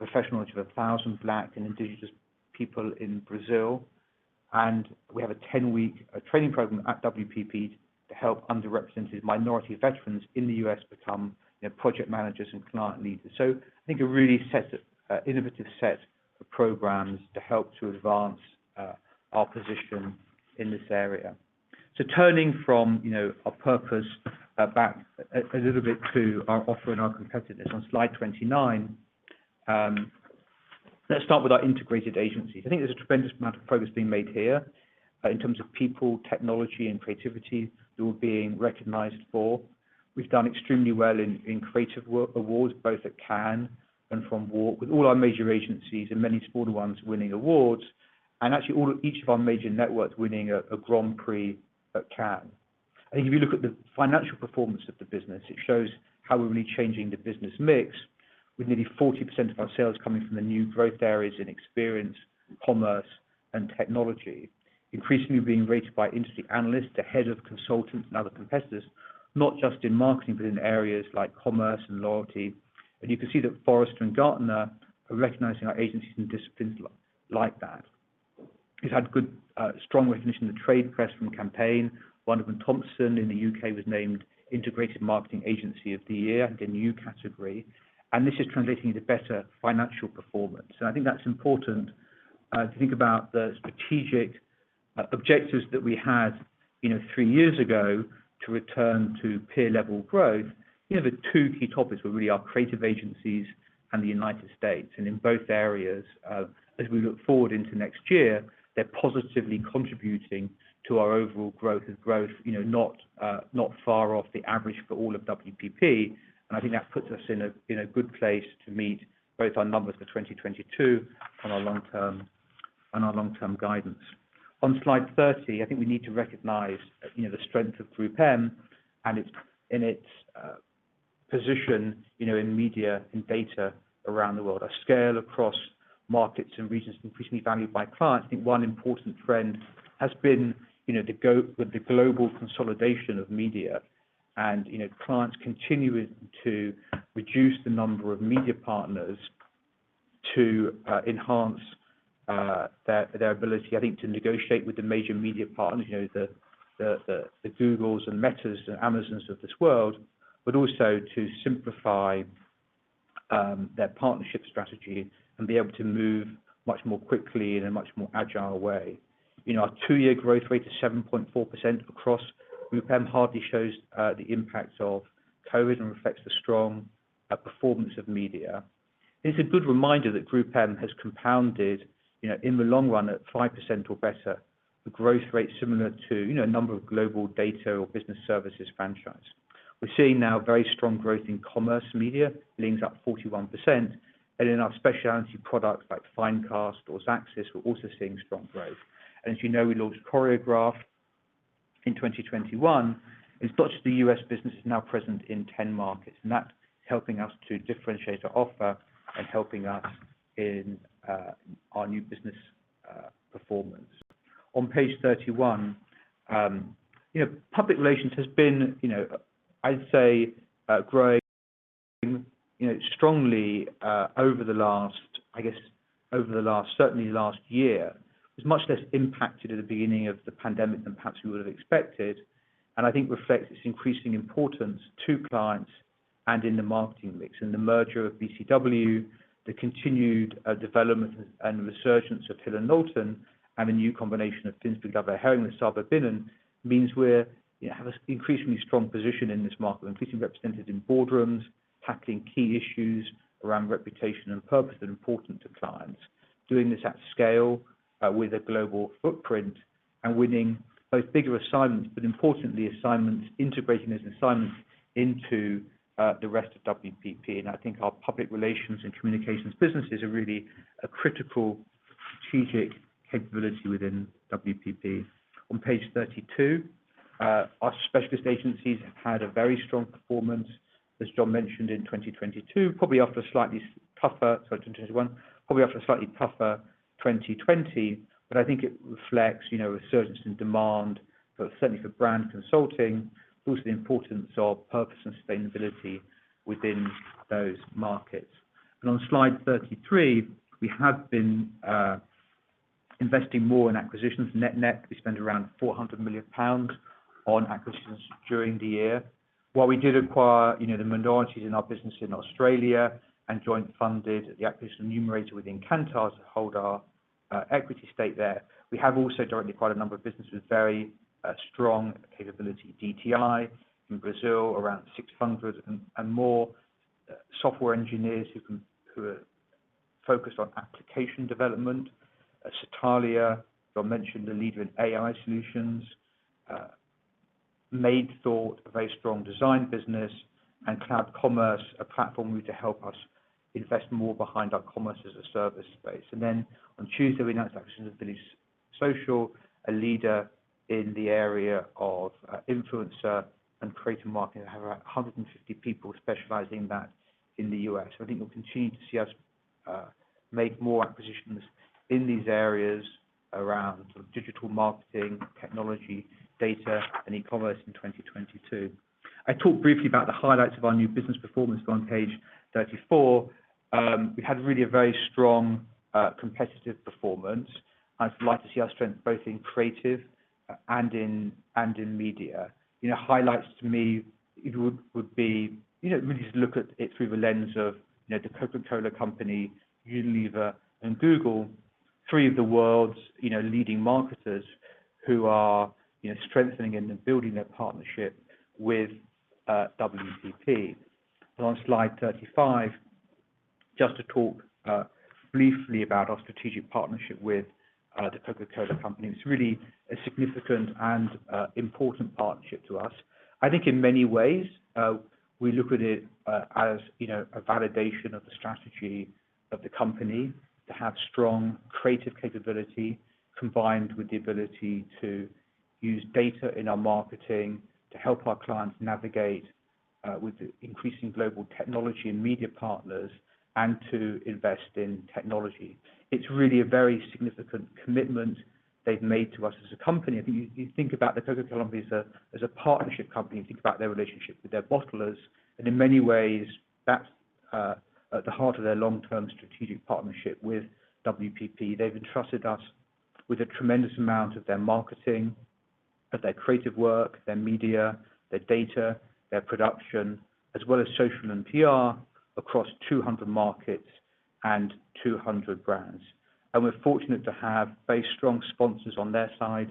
the professionalism of 1,000 black and indigenous people in Brazil. We have a ten-week training program at WPP to help underrepresented minority veterans in the U.S. become, you know, project managers and client leaders. I think a really innovative set of programs to help advance our position in this area. Turning from, you know, our purpose back a little bit to our offer and our competitiveness. On slide 29, let's start with our integrated agencies. I think there's a tremendous amount of progress being made here in terms of people, technology, and creativity that we're being recognized for. We've done extremely well in creative awards, both at Cannes and from WARC, with all our major agencies and many smaller ones winning awards, and actually each of our major networks winning a Grand Prix at Cannes. I think if you look at the financial performance of the business, it shows how we're really changing the business mix, with nearly 40% of our sales coming from the new growth areas in experience, commerce, and technology, increasingly being rated by industry analysts ahead of consultants and other competitors, not just in marketing, but in areas like commerce and loyalty. You can see that Forrester and Gartner are recognizing our agencies in disciplines like that. It had good, strong recognition in the trade press from Campaign. Wunderman Thompson in the U.K. was named Integrated Marketing Agency of the Year, a new category, and this is translating into better financial performance. I think that's important to think about the strategic objectives that we had, you know, three years ago to return to peer-level growth. You know, the two key topics were really our creative agencies and the United States. In both areas, as we look forward into next year, they're positively contributing to our overall growth, you know, not far off the average for all of WPP. I think that puts us in a good place to meet both our numbers for 2022 and our long-term guidance. On slide 30, I think we need to recognize, you know, the strength of GroupM and its position, you know, in media and data around the world. Our scale across markets and regions increasingly valued by clients. I think one important trend has been, you know, the global consolidation of media and, you know, clients continuing to reduce the number of media partners to enhance their ability, I think, to negotiate with the major media partners, you know, the Googles and Metas and Amazons of this world, but also to simplify their partnership strategy and be able to move much more quickly in a much more agile way. You know, our two-year growth rate of 7.4% across GroupM hardly shows the impact of COVID and reflects the strong performance of media. It's a good reminder that GroupM has compounded, you know, in the long run at 5% or better the growth rate similar to, you know, a number of global data or business services franchises. We're seeing now very strong growth in commerce media, links up 41%, and in our specialty products like Finecast or Xaxis, we're also seeing strong growth. As you know, we launched Choreograph in 2021. It's got to the U.S. business is now present in 10 markets, and that's helping us to differentiate our offer and helping us in our new business performance. On page 31, you know, public relations has been, you know, I'd say, growing, you know, strongly over the last, certainly last year. It was much less impacted at the beginning of the pandemic than perhaps we would have expected, and I think reflects its increasing importance to clients and in the marketing mix. The merger of BCW, the continued development and resurgence of Hill & Knowlton, and the new combination of Finsbury Glover Hering and Sard Verbinnen means we're, you know, have an increasingly strong position in this market, increasingly represented in boardrooms, tackling key issues around reputation and purpose that are important to clients, doing this at scale, with a global footprint, and winning both bigger assignments, but importantly, assignments, integrating those assignments into the rest of WPP. I think our public relations and communications businesses are really a critical strategic capability within WPP. On page 32, our specialist agencies have had a very strong performance, as John mentioned, in 2021, probably after a slightly tougher 2020. I think it reflects, you know, a resurgence in demand for, certainly for brand consulting, but also the importance of purpose and sustainability within those markets. On slide 33, we have been investing more in acquisitions. Net net, we spent around 400 million pounds on acquisitions during the year. While we did acquire, you know, the minorities in our business in Australia and joint funded the acquisition of Numerator within Kantar to hold our equity stake there, we have also directly acquired a number of businesses with very strong capability. DTI in Brazil, around 600 and more software engineers who are focused on application development. Satalia, John mentioned a leader in AI solutions. Made Thought, a very strong design business, and Cloud Commerce, a platform to help us invest more behind our commerce as a service space. Then on Tuesday, we announced the acquisition of Village Marketing, a leader in the area of influencer and creator marketing. They have 150 people specializing in that in the U.S. I think you'll continue to see us make more acquisitions in these areas around sort of digital marketing, technology, data, and e-commerce in 2022. I talked briefly about the highlights of our new business performance on page 34. We had really a very strong competitive performance, and I'd like to see our strength both in creative and in media. You know, highlights to me it would be, you know, really just look at it through the lens of, you know, The Coca-Cola Company, Unilever, and Google, three of the world's, you know, leading marketers who are, you know, strengthening and then building their partnership with WPP. On slide 35, just to talk briefly about our strategic partnership with The Coca-Cola Company. It's really a significant and important partnership to us. I think in many ways, we look at it as, you know, a validation of the strategy of the company to have strong creative capability combined with the ability to use data in our marketing to help our clients navigate with the increasing global technology and media partners, and to invest in technology. It's really a very significant commitment they've made to us as a company. I think if you think about The Coca-Cola Company as a partnership company and think about their relationship with their bottlers, in many ways, that's at the heart of their long-term strategic partnership with WPP. They've entrusted us with a tremendous amount of their marketing, of their creative work, their media, their data, their production, as well as social and PR across 200 markets and 200 brands. We're fortunate to have very strong sponsors on their side,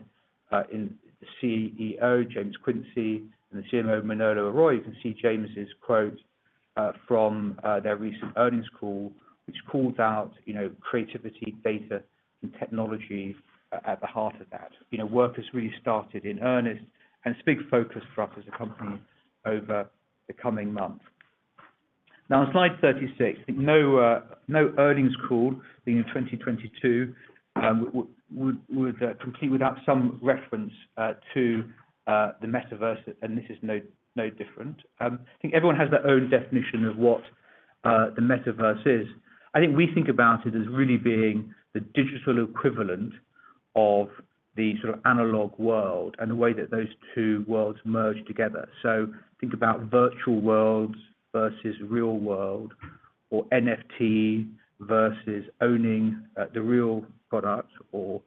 in the CEO, James Quincey, and the CMO, Manuel Arroyo. You can see James' quote from their recent earnings call, which calls out, you know, creativity, data, and technology at the heart of that. You know, work has really started in earnest, and it's a big focus for us as a company over the coming months. Now, on slide 36, no earnings call in 2022 would complete without some reference to the Metaverse, and this is no different. I think everyone has their own definition of what the Metaverse is. I think we think about it as really being the digital equivalent of the sort of analog world, and the way that those two worlds merge together. Think about virtual worlds versus real world, or NFT versus owning the real product, or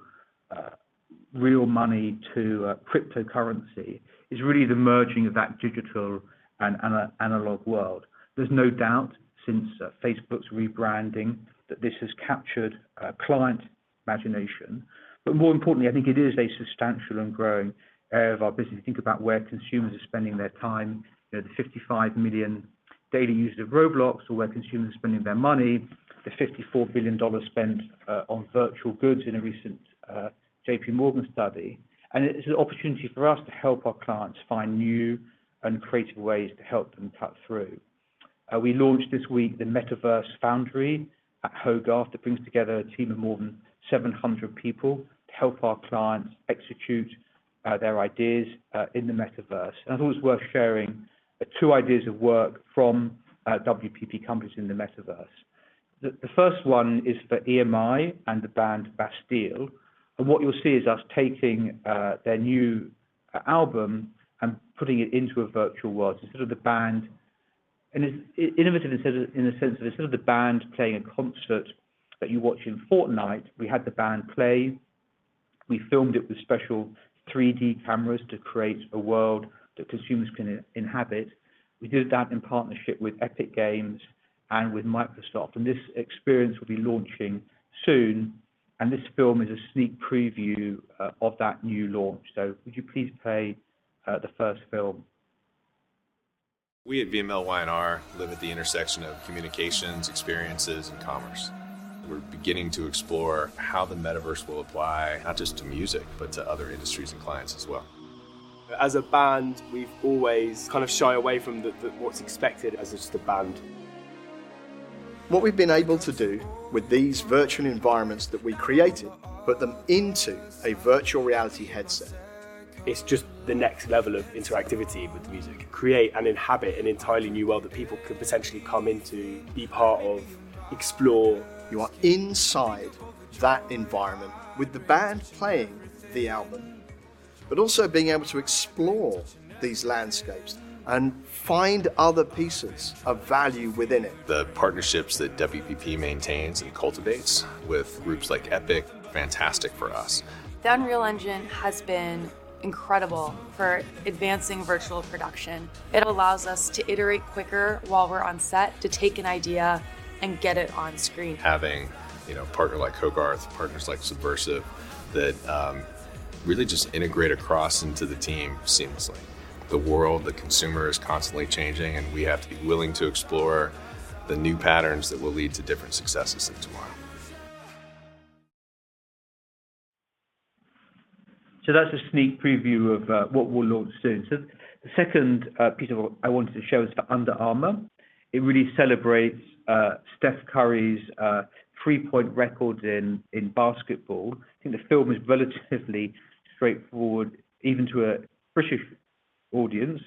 real money to cryptocurrency. It's really the merging of that digital and analog world. There's no doubt since Facebook's rebranding that this has captured client imagination. More importantly, I think it is a substantial and growing area of our business. Think about where consumers are spending their time, you know, the 55 million daily users of Roblox, or where consumers are spending their money, the $54 billion spent on virtual goods in a recent JP Morgan study. It is an opportunity for us to help our clients find new and creative ways to help them cut through. We launched this week the Metaverse Foundry at Hogarth. It brings together a team of more than 700 people to help our clients execute their ideas in the Metaverse. I thought it was worth sharing two ideas of work from WPP companies in the Metaverse. The first one is for EMI and the band Bastille, and what you'll see is us taking their new album and putting it into a virtual world. It's sort of the band... It's innovative in a sense that it's sort of the band playing a concert that you watch in Fortnite. We had the band play. We filmed it with special 3D cameras to create a world that consumers can inhabit. We did that in partnership with Epic Games and with Microsoft, and this experience will be launching soon, and this film is a sneak preview of that new launch. Would you please play the first film? We at VMLY&R live at the intersection of communications, experiences, and commerce. We're beginning to explore how the Metaverse will apply not just to music, but to other industries and clients as well. As a band, we've always kind of shied away from what's expected as just a band. What we've been able to do with these virtual environments that we created, put them into a virtual reality headset. It's just the next level of interactivity with the music. Create and inhabit an entirely new world that people could potentially come into, be part of, explore. You are inside that environment with the band playing the album. Also being able to explore these landscapes and find other pieces of value within it. The partnerships that WPP maintains and cultivates with groups like Epic, fantastic for us. The Unreal Engine has been incredible for advancing virtual production. It allows us to iterate quicker while we're on set to take an idea and get it on screen. Having, you know, a partner like Hogarth, partners like Subversive that really just integrate across into the team seamlessly. The world, the consumer is constantly changing, and we have to be willing to explore the new patterns that will lead to different successes of tomorrow. That's a sneak preview of what we'll launch soon. The second piece of what I wanted to show is for Under Armour. It really celebrates Steph Curry's three-point records in basketball. I think the film is relatively straightforward even to a British audience.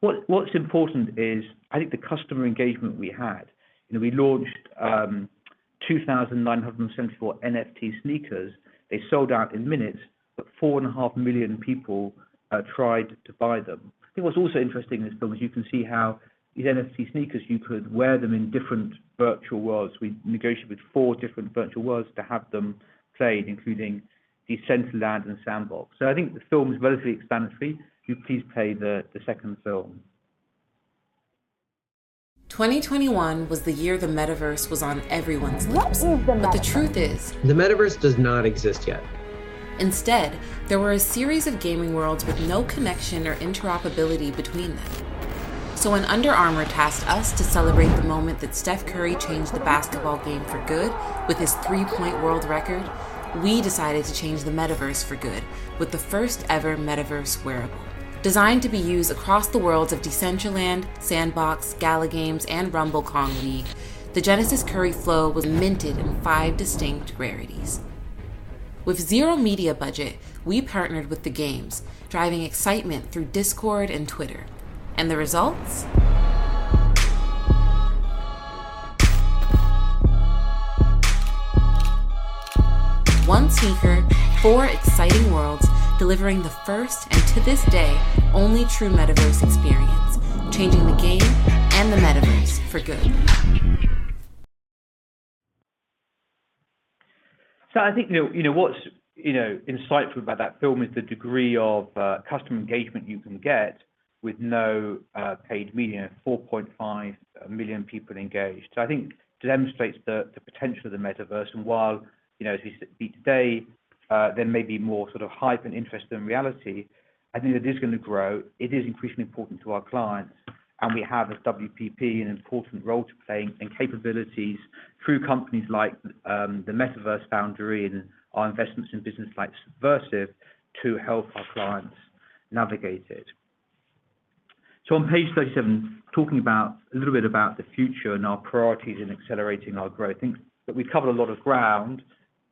What's important is, I think the customer engagement we had. You know, we launched 2,974 NFT sneakers. They sold out in minutes, but 4.5 million people tried to buy them. I think what's also interesting in this film is you can see how these NFT sneakers, you could wear them in different virtual worlds. We negotiated with four different virtual worlds to have them played, including Decentraland and Sandbox. I think the film is relatively explanatory. Could you please play the second film? 2021 was the year the Metaverse was on everyone's lips. What is the Metaverse? The truth is. The Metaverse does not exist yet. Instead, there were a series of gaming worlds with no connection or interoperability between them. When Under Armour tasked us to celebrate the moment that Steph Curry changed the basketball game for good with his three-point world record, we decided to change the Metaverse for good with the first ever Metaverse wearable. Designed to be used across the worlds of Decentraland, Sandbox, Gala Games and Rumble Kong League, the Genesis Curry Flow was minted in five distinct rarities. With zero media budget, we partnered with the games, driving excitement through Discord and Twitter. The results? One sneaker, four exciting worlds, delivering the first, and to this day, only true Metaverse experience, changing the game and the Metaverse for good. I think, you know, what's insightful about that film is the degree of customer engagement you can get with no paid media. 4.5 million people engaged. I think it demonstrates the potential of the Metaverse, and while, you know, as we meet today, there may be more sort of hype and interest than reality, I think it is gonna grow. It is increasingly important to our clients, and we have at WPP an important role to play and capabilities through companies like The Metaverse Foundry and our investments in businesses like Subversive to help our clients navigate it. On page 37, talking about a little bit about the future and our priorities in accelerating our growth. I think that we've covered a lot of ground.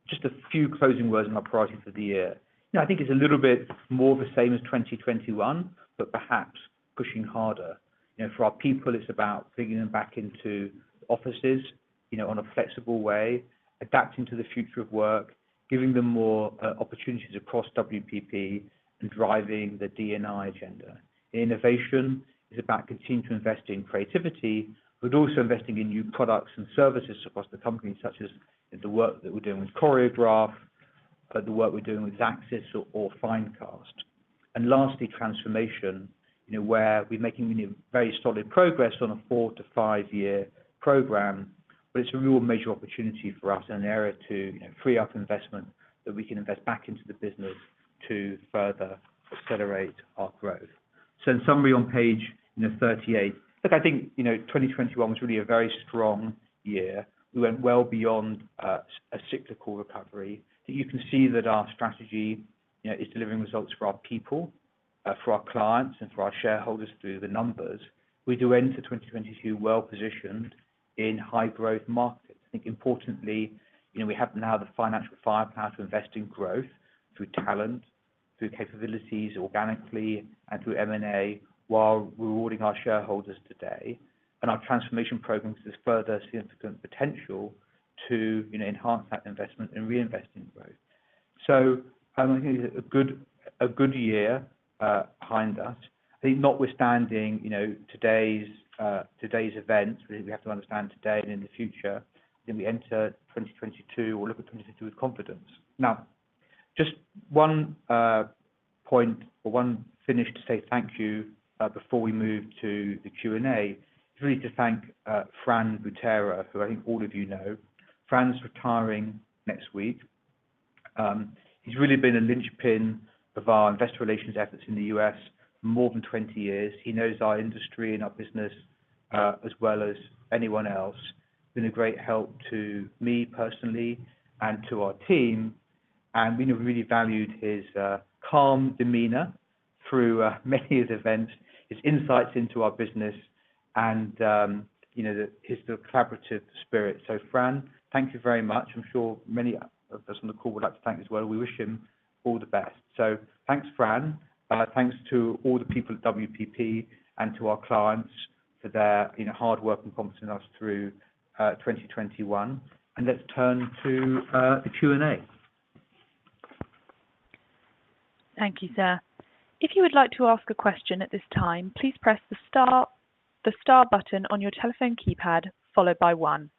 Just a few closing words on our priorities for the year. You know, I think it's a little bit more of the same as 2021, but perhaps pushing harder. You know, for our people, it's about bringing them back into offices, you know, on a flexible way, adapting to the future of work, giving them more opportunities across WPP and driving the DE&I agenda. Innovation is about continuing to invest in creativity, but also investing in new products and services across the company, such as the work that we're doing with Choreograph, but the work we're doing with Xaxis or Finecast. Lastly, transformation, you know, where we're making, you know, very solid progress on a 4-5 year program, but it's a real major opportunity for us and an area to, you know, free up investment that we can invest back into the business to further accelerate our growth. In summary on page 38, look, I think, you know, 2021 was really a very strong year. We went well beyond a cyclical recovery, that you can see that our strategy, you know, is delivering results for our people, for our clients, and for our shareholders through the numbers. We do enter 2022 well positioned in high-growth markets. I think importantly, you know, we have now the financial firepower to invest in growth through talent, through capabilities organically, and through M&A, while rewarding our shareholders today. Our transformation programs has further significant potential to, you know, enhance that investment and reinvest in growth. So I think a good year behind us. I think notwithstanding, you know, today's events, we have to understand today and in the future, you know, we enter 2022 or look at 2022 with confidence. Now, just one point or one final to say thank you before we move to the Q&A. Just really to thank Fran Butera, who I think all of you know. Fran's retiring next week. He's really been a linchpin of our investor relations efforts in the U.S. for more than 20 years. He knows our industry and our business as well as anyone else. been a great help to me personally and to our team, and, you know, we really valued his calm demeanor through many of the events, his insights into our business and, you know, his collaborative spirit. Fran, thank you very much. I'm sure many of us on the call would like to thank as well. We wish him all the best. Thanks, Fran. Thanks to all the people at WPP and to our clients for their, you know, hard work and competence through 2021. Let's turn to the Q&A. Thank you sir. If you would like to ask a question at this time please press the star button on your keypad followed by 1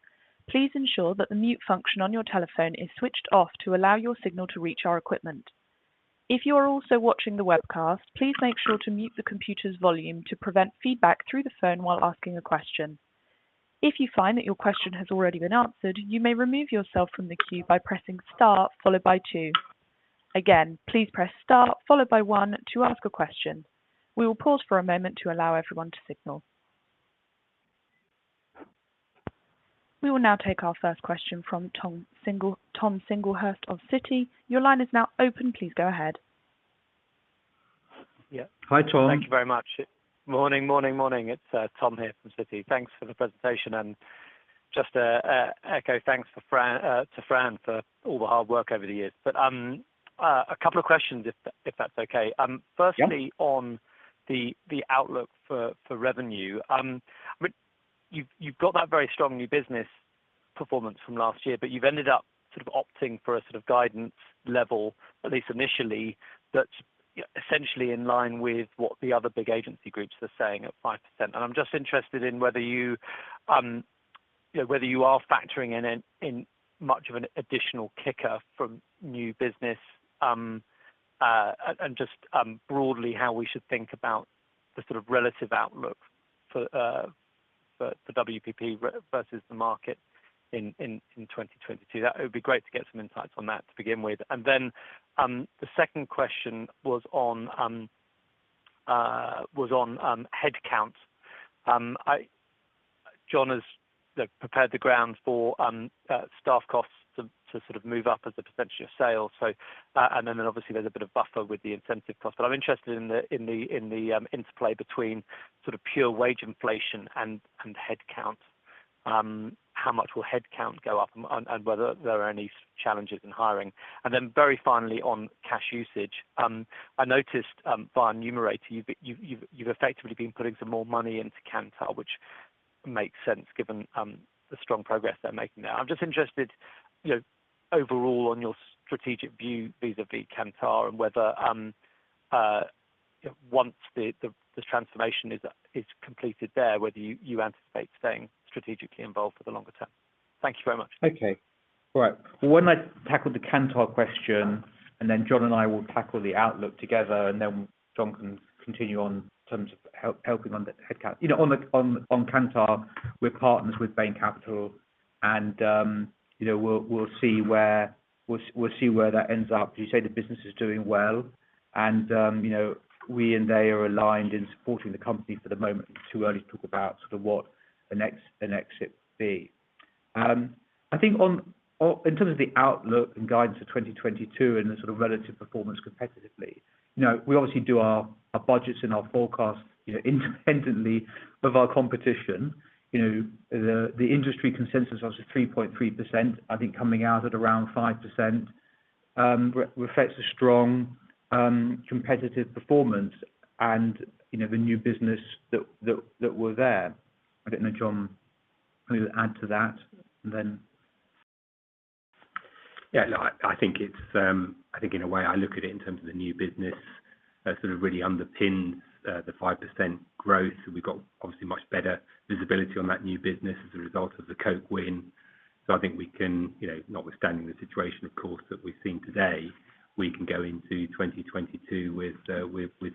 please ensure that the mute function on your telephone is switched off to allow your signal to reach our equipment. If you're also watching the webcast please make sure to mute the computer's volume to prevent feedback through the phone while asking a question. If you find your question has been asked you may remove yourself from the queue by pressing star followed by 2. Again please press star followed by 1 to ask a question. We will pause for a moment to allow us launch signal. We will now take our first question from Tom Singlehurst of Citi. Your line is now open. Please go ahead. Yeah. Hi, Tom. Thank you very much. Morning, morning. It's Tom here from Citi. Thanks for the presentation and just to echo thanks to Fran for all the hard work over the years. A couple of questions if that's okay. Firstly- Yeah On the outlook for revenue. You've got that very strong new business performance from last year, but you've ended up sort of opting for a sort of guidance level, at least initially, that's essentially in line with what the other big agency groups are saying at 5%. I'm just interested in whether you know, whether you are factoring in much of an additional kicker from new business, and just broadly how we should think about the sort of relative outlook for WPP versus the market in 2022. That would be great to get some insights on that to begin with. Then the second question was on headcounts. John has prepared the ground for staff costs to sort of move up as a percentage of sale. Obviously there's a bit of buffer with the incentive cost. I'm interested in the interplay between sort of pure wage inflation and headcounts. How much will headcount go up and whether there are any challenges in hiring. Very finally, on cash usage, I noticed via Numerator, you've effectively been putting some more money into Kantar, which makes sense given the strong progress they're making now. I'm just interested, you know, overall on your strategic view vis-à-vis Kantar and whether once the transformation is completed there, whether you anticipate staying strategically involved for the longer term. Thank you very much. Okay. Right. Why don't I tackle the Kantar question, and then John and I will tackle the outlook together, and then John can continue on in terms of helping on the headcount. You know, on Kantar, we're partners with Bain Capital, and you know, we'll see where that ends up. You say the business is doing well, and you know, we and they are aligned in supporting the company for the moment. It's too early to talk about what the next exit would be. I think in terms of the outlook and guidance of 2022 and the sort of relative performance competitively, you know, we obviously do our budgets and our forecasts, you know, independently of our competition. You know, the industry consensus of 3.3%, I think coming out at around 5%, reflects a strong competitive performance and, you know, the new business that were there. I don't know, John, want to add to that, and then. Yeah, no, I think it's, I think in a way, I look at it in terms of the new business, sort of really underpins the 5% growth. We've got obviously much better visibility on that new business as a result of the Coca-Cola win. I think we can, you know, notwithstanding the situation of course that we've seen today, we can go into 2022 with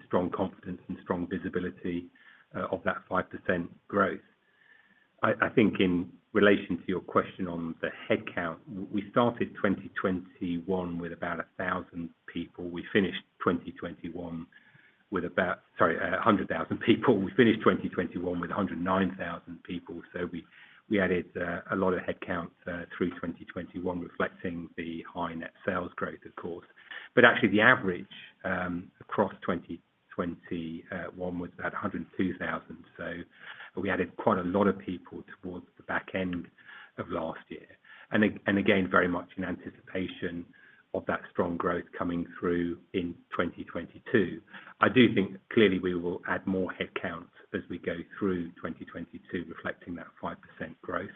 strong confidence and strong visibility of that 5% growth. I think in relation to your question on the headcount, we started 2021 with about 1,000 people. We finished 2021 with 109,000 people. We added a lot of headcounts through 2021 reflecting the high net sales growth, of course. Actually the average across 2021 was about 102,000, so we added quite a lot of people towards the back end of last year. Again, very much in anticipation of that strong growth coming through in 2022. I do think clearly we will add more headcount as we go through 2022 reflecting that 5% growth.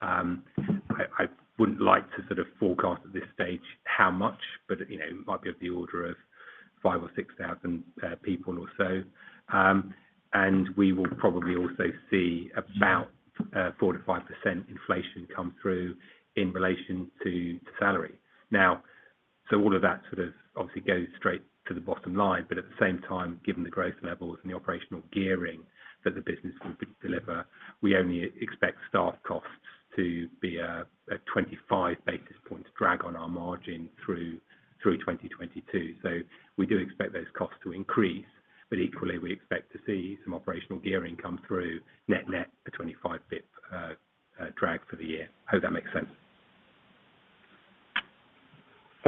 I wouldn't like to sort of forecast at this stage how much, but you know, it might be of the order of 5,000 or 6,000 people or so. We will probably also see about 4%-5% inflation come through in relation to salary. Now, all of that sort of obviously goes straight to the bottom line. At the same time, given the growth levels and the operational gearing that the business will deliver, we only expect staff costs to be a 25 basis points drag on our margin through 2022. We do expect those costs to increase, but equally, we expect to see some operational gearing come through net/net a 25 basis points drag for the year. Hope that makes sense.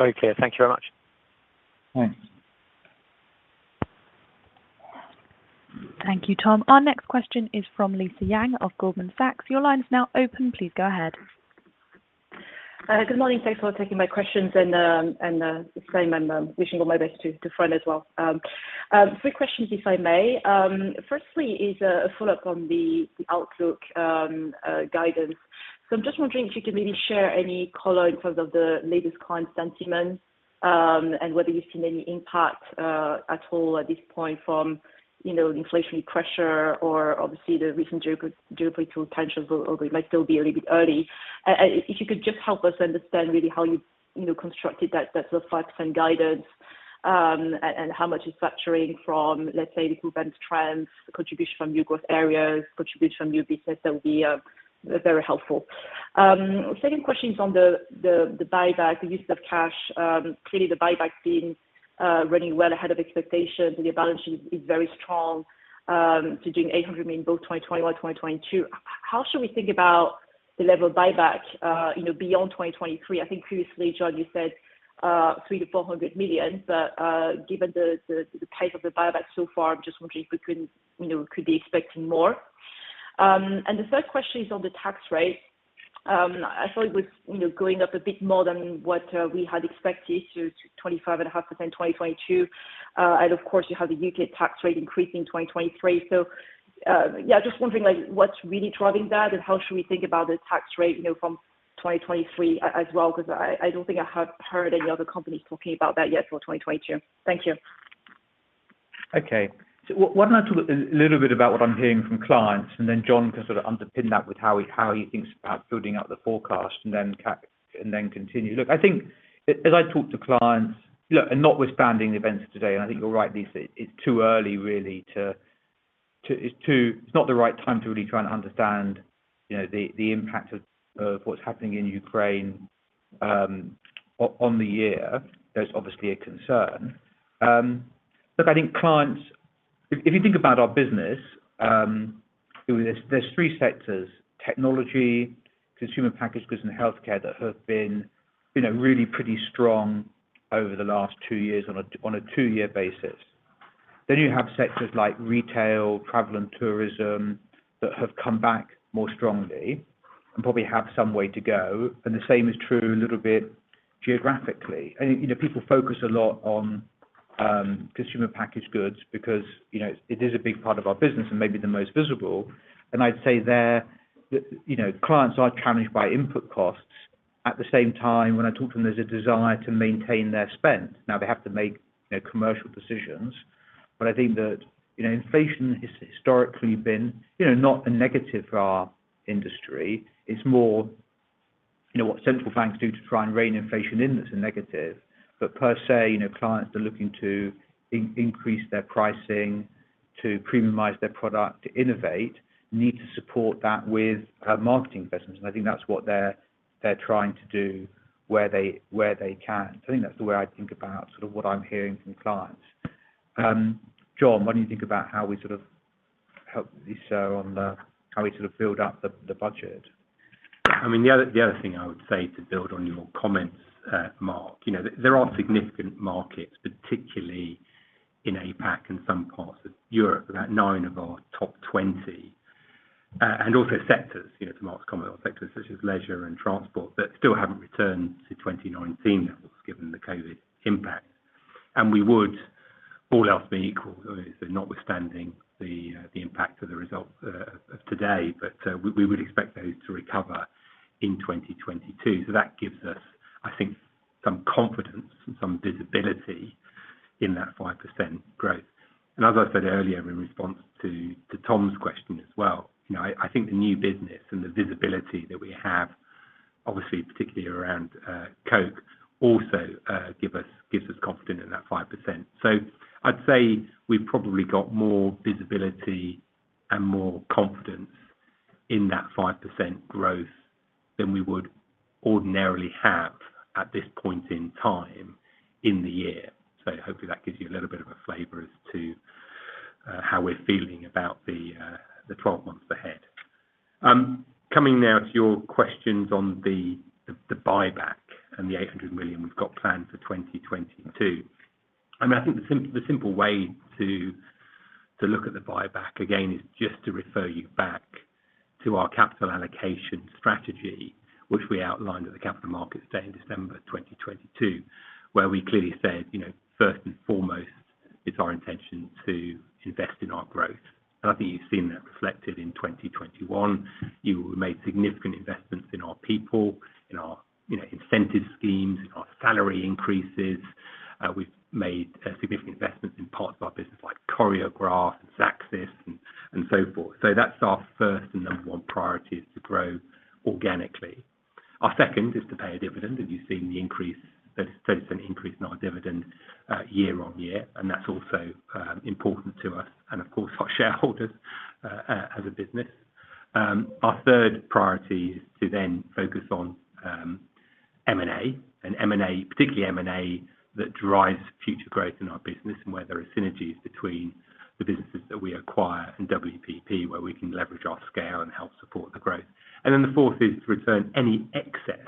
Very clear. Thank you very much. Thanks. Thank you, Tom. Our next question is from Lisa Yang of Goldman Sachs. Your line is now open. Please go ahead. Good morning. Thanks for taking my questions and just saying I'm wishing all my best to Fran as well. Three questions if I may. First, a follow-up on the outlook guidance. I'm just wondering if you could maybe share any color in terms of the latest client sentiment and whether you've seen any impact at all at this point from, you know, the inflationary pressure or obviously the recent geopolitical tensions, or it might still be a little bit early. If you could just help us understand really how you know, constructed that sort of flat and guidance and how much is factoring from, let's say, the group trends, the contribution from new growth areas, contribution from new business, that would be very helpful. Second question is on the buyback, the use of cash. Clearly the buyback's been running well ahead of expectations. Your balance sheet is very strong, doing 800 million both 2021, 2022. How should we think about the level of buyback, you know, beyond 2023? I think previously, John, you said 300-400 million. Given the pace of the buyback so far, I'm just wondering if we can, you know, could be expecting more. The third question is on the tax rate. I saw it was, you know, going up a bit more than what we had expected to 25.5% in 2022. Of course, you have the U.K. tax rate increase in 2023. Yeah, just wondering, like, what's really driving that, and how should we think about the tax rate, you know, from 2023 as well, because I don't think I have heard any other companies talking about that yet for 2022. Thank you. Okay. Why don't I talk a little bit about what I'm hearing from clients, and then John can sort of underpin that with how he thinks about building out the forecast and then continue. Look, I think as I talk to clients, look, and notwithstanding the events today, and I think you're right, Lisa, it's too early really. It's not the right time to really try and understand you know the impact of what's happening in Ukraine on the year. There's obviously a concern. Look, I think clients, if you think about our business, there's three sectors, technology, consumer packaged goods, and healthcare that have been you know really pretty strong over the last two years on a two-year basis. You have sectors like retail, travel and tourism that have come back more strongly and probably have some way to go, and the same is true a little bit geographically. You know, people focus a lot on consumer packaged goods because, you know, it is a big part of our business and maybe the most visible. I'd say there that, you know, clients are challenged by input costs. At the same time, when I talk to them, there's a desire to maintain their spend. Now, they have to make, you know, commercial decisions. I think that, you know, inflation has historically been, you know, not a negative for our industry. It's more, you know, what central banks do to try and rein inflation in that's a negative. Per se, you know, clients are looking to increase their pricing to premiumize their product, to innovate, need to support that with marketing investments. I think that's what they're trying to do where they can. I think that's the way I think about sort of what I'm hearing from clients. John, what do you think about how we sort of help Lisa on the, how we sort of build up the budget? I mean, the other thing I would say to build on your comments, Mark, you know, there are significant markets, particularly in APAC and some parts of Europe, about 9 of our top 20, and also sectors, you know, to Mark's comment about sectors such as leisure and transport, that still haven't returned to 2019 levels given the COVID impact. We would, all else being equal, notwithstanding the impact of the results of today, we would expect those to recover in 2022. That gives us, I think, some confidence and some visibility in that 5% growth. As I said earlier in response to Tom's question as well, you know, I think the new business and the visibility that we have, obviously, particularly around Coca-Cola, also gives us confidence in that 5%. I'd say we've probably got more visibility and more confidence in that 5% growth than we would ordinarily have at this point in time in the year. Hopefully that gives you a little bit of a flavor as to how we're feeling about the twelve months ahead. Coming now to your questions on the buyback and the 800 million we've got planned for 2022. I mean, I think the simple way to look at the buyback again is just to refer you back to our capital allocation strategy, which we outlined at the Capital Markets Day in December 2022, where we clearly said, you know, first and foremost, it's our intention to invest in our growth. I think you've seen that reflected in 2021. You made significant investments in our people, in our, you know, incentive schemes, in our salary increases. We've made significant investments in parts of our business like Choreograph and Xaxis and so forth. That's our first and number one priority is to grow organically. Our second is to pay a dividend, and you've seen the increase, the 30% increase in our dividend year-on-year, and that's also important to us and of course our shareholders as a business. Our third priority is to focus on M&A, particularly M&A that drives future growth in our business and where there are synergies between the businesses that we acquire in WPP, where we can leverage our scale and help support the growth. The fourth is to return any excess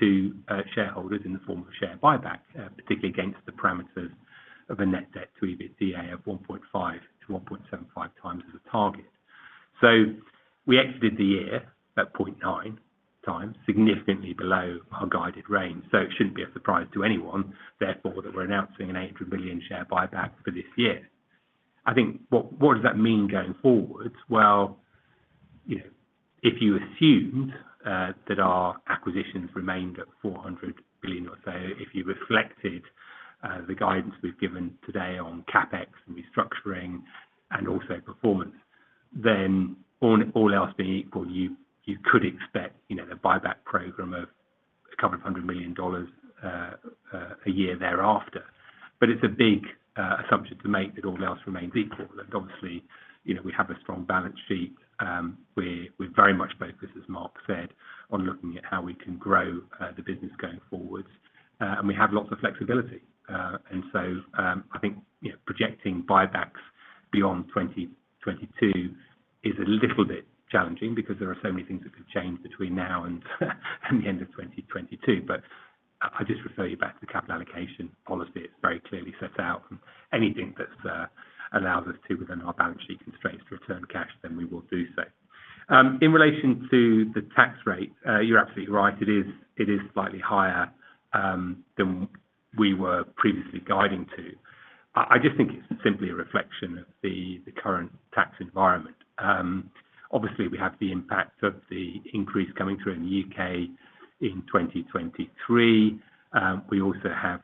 to shareholders in the form of share buyback, particularly against the parameters of a net debt to EBITDA of 1.5-1.75 times as a target. We exited the year at 0.9 times, significantly below our guided range. It shouldn't be a surprise to anyone, therefore, that we're announcing a 800 million share buyback for this year. I think what does that mean going forward? Well, you know, if you assumed that our acquisitions remained at 400 million or so, if you reflected the guidance we've given today on CapEx and restructuring and also performance, then all else being equal, you could expect, you know, a buyback program of $200 million a year thereafter. But it's a big assumption to make that all else remains equal. Look, obviously, you know, we have a strong balance sheet. We're very much focused, as Mark said, on looking at how we can grow the business going forward, and we have lots of flexibility. I think, you know, projecting buybacks beyond 2022 is a little bit challenging because there are so many things that could change between now and the end of 2022. I just refer you back to the capital allocation policy. It's very clearly set out, and anything that allows us to, within our balance sheet constraints, to return cash, then we will do so. In relation to the tax rate, you're absolutely right. It is slightly higher than we were previously guiding to. I just think it's simply a reflection of the current tax environment. Obviously, we have the impact of the increase coming through in the U.K. in 2023. We also have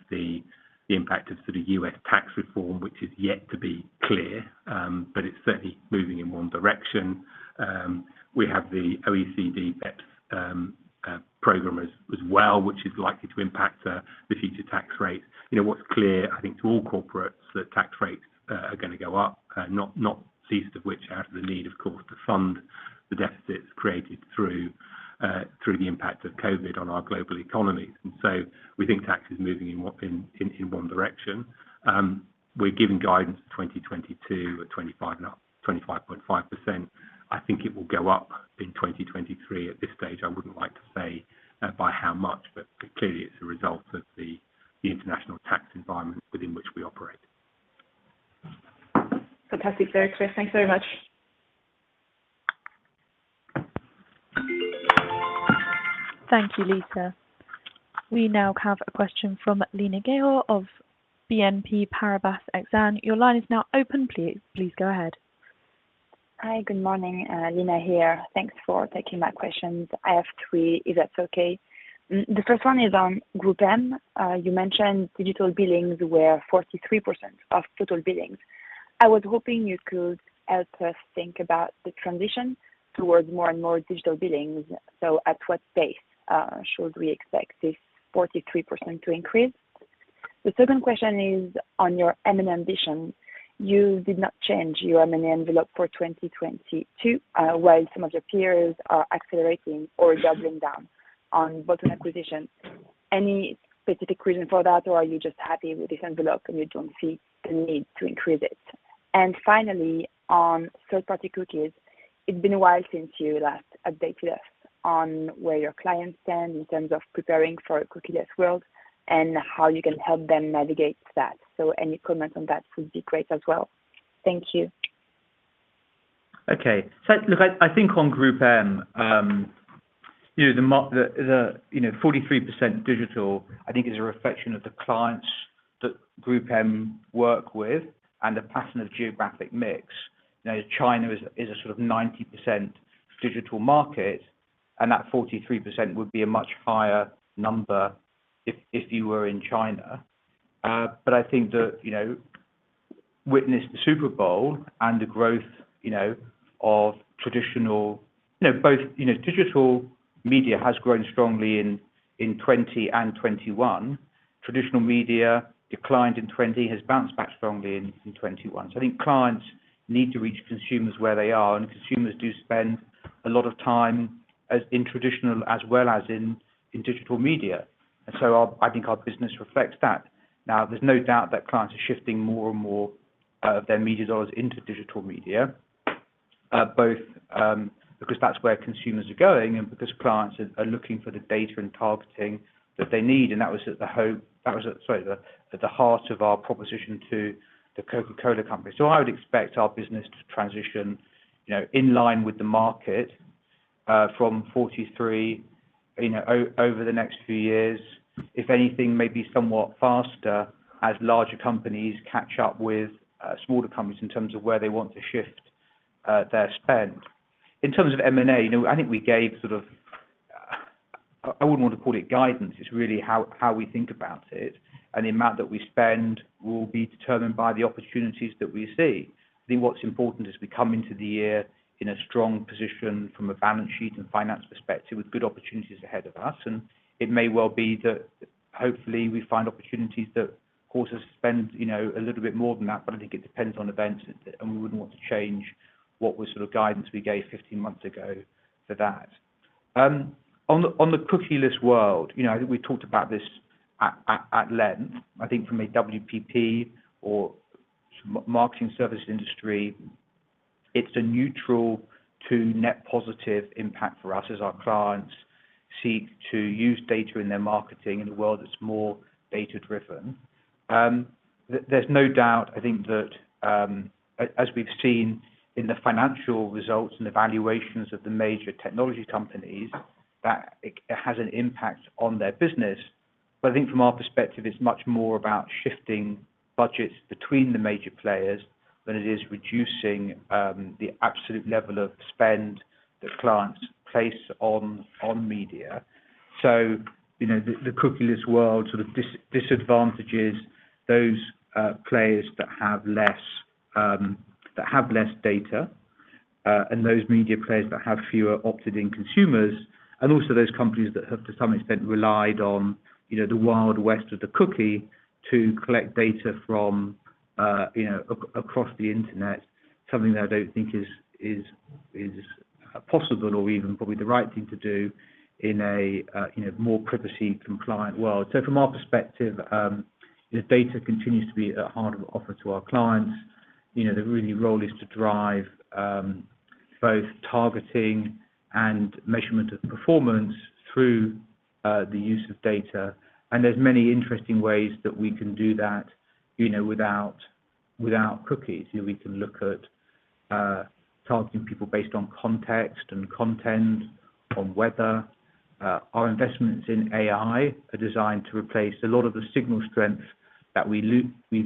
the impact of sort of U.S. tax reform, which is yet to be clear, but it's certainly moving in one direction. We have the OECD BEPS program as well, which is likely to impact the future tax rate. You know, what's clear, I think, to all corporates, that tax rates are gonna go up, not least of which out of the need, of course, to fund the deficits created through the impact of COVID on our global economies. We think tax is moving in one direction. We're giving guidance for 2022 at 25.5%. I think it will go up in 2023. At this stage, I wouldn't like to say by how much, but clearly it's a result of the international tax environment within which we operate. Fantastic. Very clear. Thanks very much. Thank you, Lisa. We now have a question from Lina Ghaiour of BNP Paribas Exane. Your line is now open. Please go ahead. Hi. Good morning. Lina here. Thanks for taking my questions. I have three, if that's okay. The first one is on GroupM. You mentioned digital billings were 43% of total billings. I was hoping you could help us think about the transition towards more and more digital billings. At what pace should we expect this 43% to increase? The second question is on your M&A ambition. You did not change your M&A envelope for 2022, while some of your peers are accelerating or doubling down on both an acquisition. Any specific reason for that, or are you just happy with this envelope, and you don't see the need to increase it? Finally, on third-party cookies, it's been a while since you last updated us on where your clients stand in terms of preparing for a cookieless world and how you can help them navigate that. Any comment on that would be great as well. Thank you. Look, I think on GroupM, you know, the 43% digital I think is a reflection of the clients that GroupM work with and the pattern of geographic mix. You know, China is a sort of 90% digital market, and that 43% would be a much higher number if you were in China. I think that, you know, witness the Super Bowl and the growth, you know, of traditional. You know, both, you know, digital media has grown strongly in 2020 and 2021. Traditional media declined in 2020, has bounced back strongly in 2021. I think clients need to reach consumers where they are, and consumers do spend a lot of time in traditional as well as in digital media. Our, I think our business reflects that. Now, there's no doubt that clients are shifting more and more of their media dollars into digital media, both because that's where consumers are going and because clients are looking for the data and targeting that they need. That was at the heart of our proposition to The Coca-Cola Company. I would expect our business to transition, you know, in line with the market, from 43% over the next few years. If anything, maybe somewhat faster as larger companies catch up with smaller companies in terms of where they want to shift their spend. In terms of M&A, you know, I think we gave sort of, I wouldn't want to call it guidance. It's really how we think about it, and the amount that we spend will be determined by the opportunities that we see. I think what's important as we come into the year in a strong position from a balance sheet and finance perspective with good opportunities ahead of us, and it may well be that hopefully we find opportunities that cause us to spend, you know, a little bit more than that. I think it depends on events, and we wouldn't want to change what was sort of guidance we gave 15 months ago for that. On the cookieless world, you know, I think we talked about this at length. I think from a WPP or marketing service industry, it's a neutral to net positive impact for us as our clients. Seek to use data in their marketing in a world that's more data-driven. There's no doubt, I think, that as we've seen in the financial results and evaluations of the major technology companies, that it has an impact on their business. I think from our perspective, it's much more about shifting budgets between the major players than it is reducing the absolute level of spend that clients place on media. You know, the cookie-less world sort of disadvantages those players that have less data, and those media players that have fewer opted-in consumers, and also those companies that have to some extent relied on, you know, the Wild West of the cookie to collect data from, you know, across the internet, something that I don't think is possible or even probably the right thing to do in a, you know, more privacy compliant world. From our perspective, you know, data continues to be a hard offer to our clients. You know, their real role is to drive both targeting and measurement of performance through the use of data. There's many interesting ways that we can do that, you know, without cookies. You know, we can look at targeting people based on context and content, on weather. Our investments in AI are designed to replace a lot of the signal strength that we've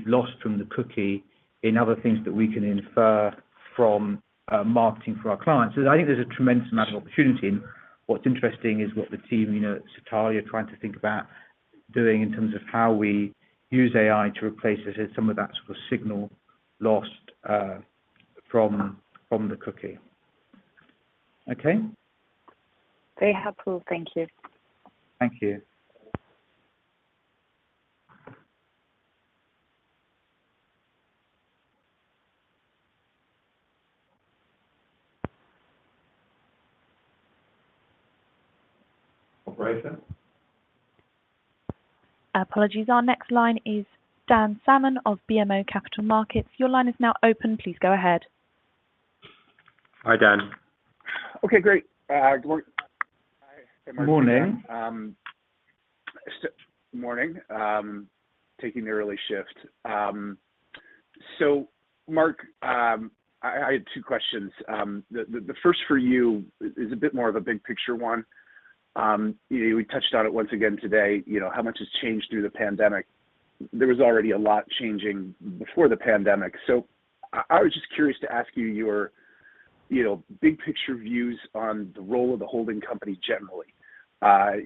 lost from the cookie in other things that we can infer from marketing for our clients. I think there's a tremendous amount of opportunity. What's interesting is what the team, you know, at Satalia are trying to think about doing in terms of how we use AI to replace as some of that sort of signal lost from the cookie. Okay? Very helpful. Thank you. Thank you. Operator. Apologies. Our next line is Dan Salmon of BMO Capital Markets. Your line is now open. Please go ahead. Hi, Dan. Okay, great. Hi. Hey, Mark. Morning. Good morning. Taking the early shift. Mark, I had two questions. The first for you is a bit more of a big picture one. You know, we touched on it once again today, you know, how much has changed through the pandemic. There was already a lot changing before the pandemic. I was just curious to ask you your big picture views on the role of the holding company generally.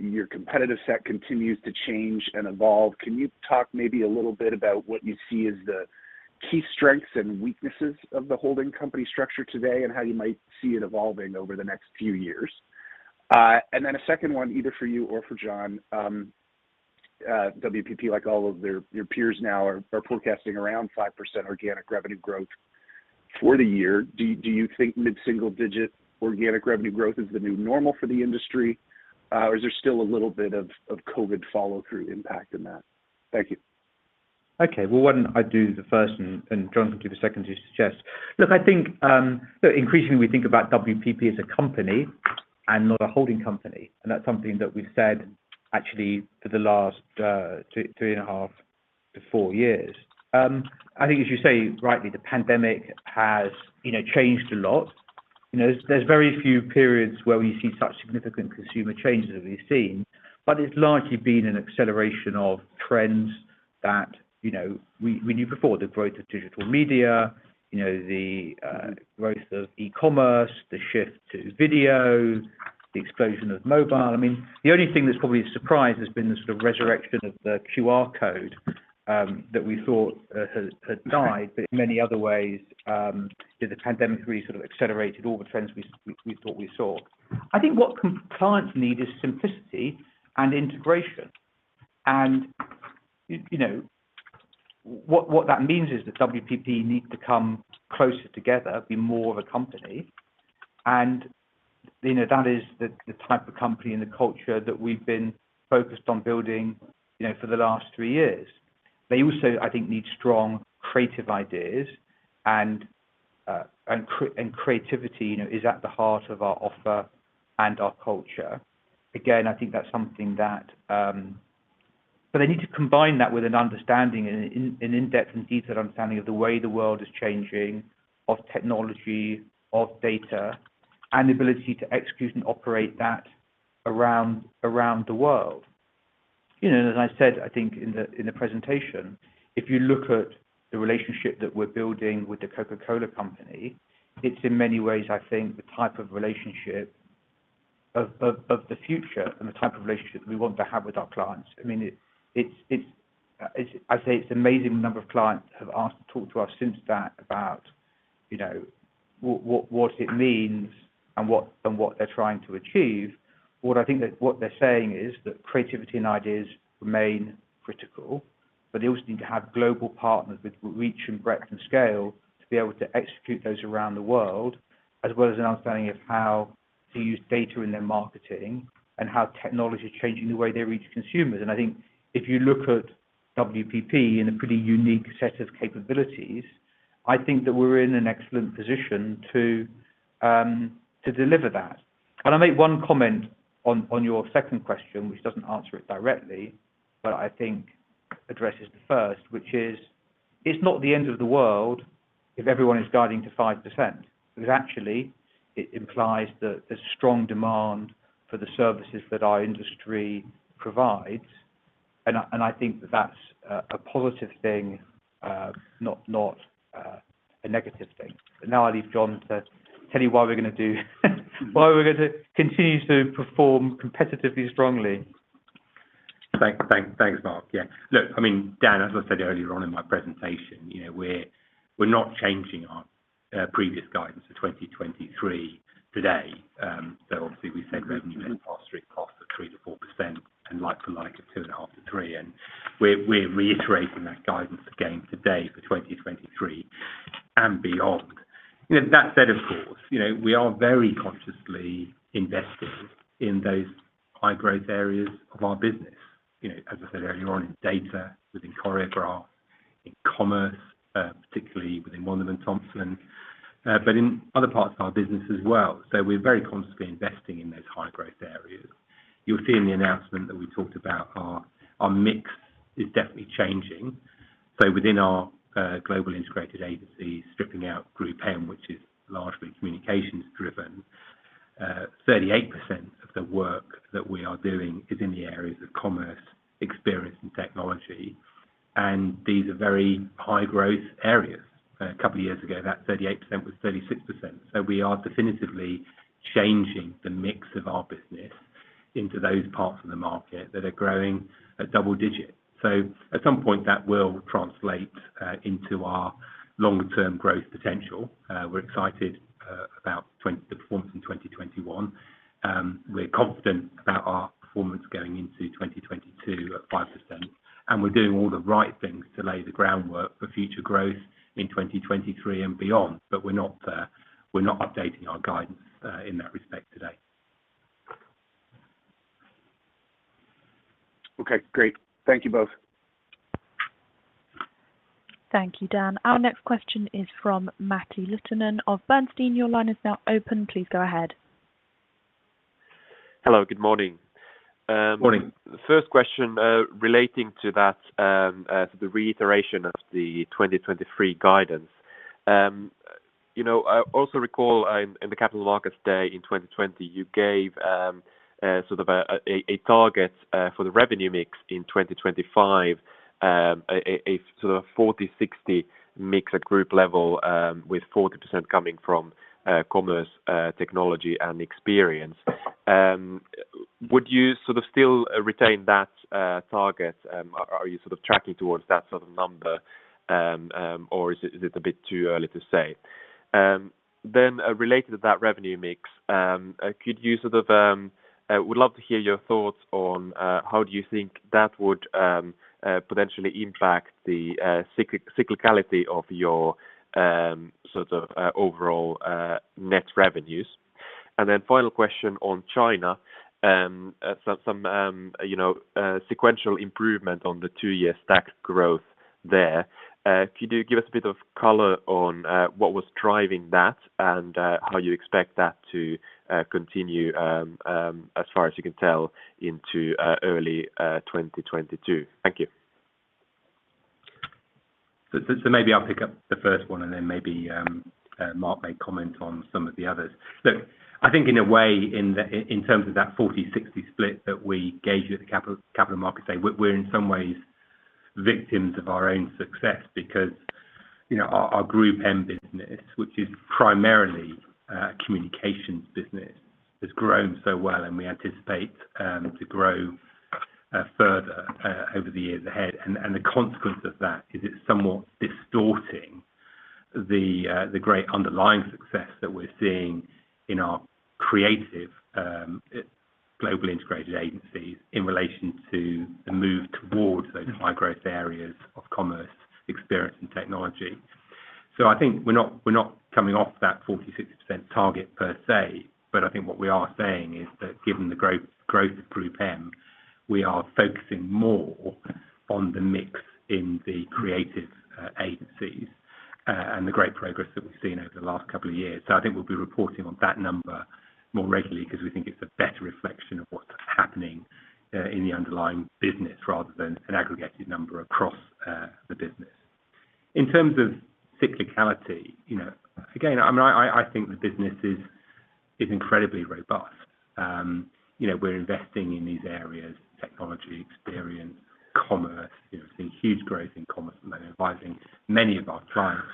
Your competitive set continues to change and evolve. Can you talk maybe a little bit about what you see as the key strengths and weaknesses of the holding company structure today, and how you might see it evolving over the next few years? A second one, either for you or for John, WPP, like all of their peers now, are forecasting around 5% organic revenue growth for the year. Do you think mid-single-digit organic revenue growth is the new normal for the industry, or is there still a little bit of COVID follow-through impact in that? Thank you. Okay. Well, why don't I do the first and John can do the second, as you suggest. Look, I think increasingly we think about WPP as a company and not a holding company, and that's something that we've said actually for the last three and a half to four years. I think as you say, rightly, the pandemic has, you know, changed a lot. You know, there's very few periods where we've seen such significant consumer changes that we've seen. It's largely been an acceleration of trends that, you know, we knew before, the growth of digital media, you know, the growth of e-commerce, the shift to video, the explosion of mobile. I mean, the only thing that's probably a surprise has been the sort of resurrection of the QR code that we thought had died. In many other ways, you know, the pandemic really sort of accelerated all the trends we thought we saw. I think what clients need is simplicity and integration. You know, what that means is that WPP need to come closer together, be more of a company. You know, that is the type of company and the culture that we've been focused on building, you know, for the last three years. They also, I think, need strong creative ideas and creativity, you know, is at the heart of our offer and our culture. Again, I think that's something that they need to combine that with an understanding and an in-depth and detailed understanding of the way the world is changing, of technology, of data, and the ability to execute and operate that around the world. You know, as I said, I think, in the presentation, if you look at the relationship that we're building with The Coca-Cola Company, it's in many ways, I think, the type of relationship of the future and the type of relationship that we want to have with our clients. I mean, it's amazing the number of clients that have asked to talk to us since that about, you know, what it means and what they're trying to achieve. What I think that. What they're saying is that creativity and ideas remain critical, but they also need to have global partners with reach and breadth and scale to be able to execute those around the world, as well as an understanding of how to use data in their marketing and how technology is changing the way they reach consumers. I think if you look at WPP in a pretty unique set of capabilities. I think that we're in an excellent position to deliver that. I'll make one comment on your second question, which doesn't answer it directly, but I think addresses the first, which is, it's not the end of the world if everyone is guiding to 5%, because actually it implies the strong demand for the services that our industry provides. I think that's a positive thing, not a negative thing. Now I leave John to tell you what we're gonna do, why we're gonna continue to perform competitively strongly. Thanks Mark. Yeah. Look, I mean, Dan, as I said earlier on in my presentation, you know, we're not changing our previous guidance for 2023 today. Obviously we said revenue +3% costs of 3%-4% and like-for-like of 2.5%-3%, and we're reiterating that guidance again today for 2023 and beyond. You know, that said, of course, you know, we are very consciously investing in those high-growth areas of our business. You know, as I said earlier on in data, within Choreograph, in commerce, particularly within Wunderman Thompson, but in other parts of our business as well. We're very consciously investing in those high-growth areas. You'll see in the announcement that we talked about our mix is definitely changing. Within our global integrated agency, stripping out GroupM, which is largely communications driven, 38% of the work that we are doing is in the areas of commerce, experience and technology, and these are very high growth areas. A couple years ago, that 38% was 36%. We are definitively changing the mix of our business into those parts of the market that are growing at double-digit. At some point, that will translate into our long term growth potential. We're excited about the performance in 2021. We're confident about our performance going into 2022 at 5%, and we're doing all the right things to lay the groundwork for future growth in 2023 and beyond. We're not updating our guidance in that respect today. Okay, great. Thank you both. Thank you, Dan. Our next question is from Matti Littunen of Bernstein. Your line is now open. Please go ahead. Hello, good morning. Morning. The first question relating to that, the reiteration of the 2023 guidance. You know, I also recall in the Capital Markets Day in 2020, you gave sort of a target for the revenue mix in 2025, a sort of 40-60 mix at group level, with 40% coming from commerce, technology and experience. Would you sort of still retain that target? Are you sort of tracking towards that sort of number or is it a bit too early to say? Related to that revenue mix, could you sort of... Would love to hear your thoughts on how do you think that would potentially impact the cyclicality of your sort of overall net revenues. Then final question on China, some you know sequential improvement on the two-year stack growth there. Could you give us a bit of color on what was driving that and how you expect that to continue as far as you can tell into early 2022. Thank you. Maybe I'll pick up the first one, and then maybe Mark may comment on some of the others. Look, I think in a way, in the in terms of that 40-60 split that we gauged at the Capital Markets Day, we're in some ways victims of our own success because, you know, our GroupM business, which is primarily a communications business, has grown so well, and we anticipate to grow further over the years ahead. The consequence of that is it's somewhat distorting the great underlying success that we're seeing in our creative global integrated agencies in relation to the move towards those high growth areas of commerce, experience and technology. I think we're not coming off that 40%-60% target per se, but I think what we are saying is that given the growth of GroupM, we are focusing more on the mix in the creative agencies, and the great progress that we've seen over the last couple of years. I think we'll be reporting on that number more regularly because we think it's a better reflection of what's happening in the underlying business rather than an aggregated number across the business. In terms of cyclicality, you know, again, I mean, I think the business is incredibly robust. You know, we're investing in these areas, technology, experience, commerce. You know, we're seeing huge growth in commerce at the moment, advising many of our clients.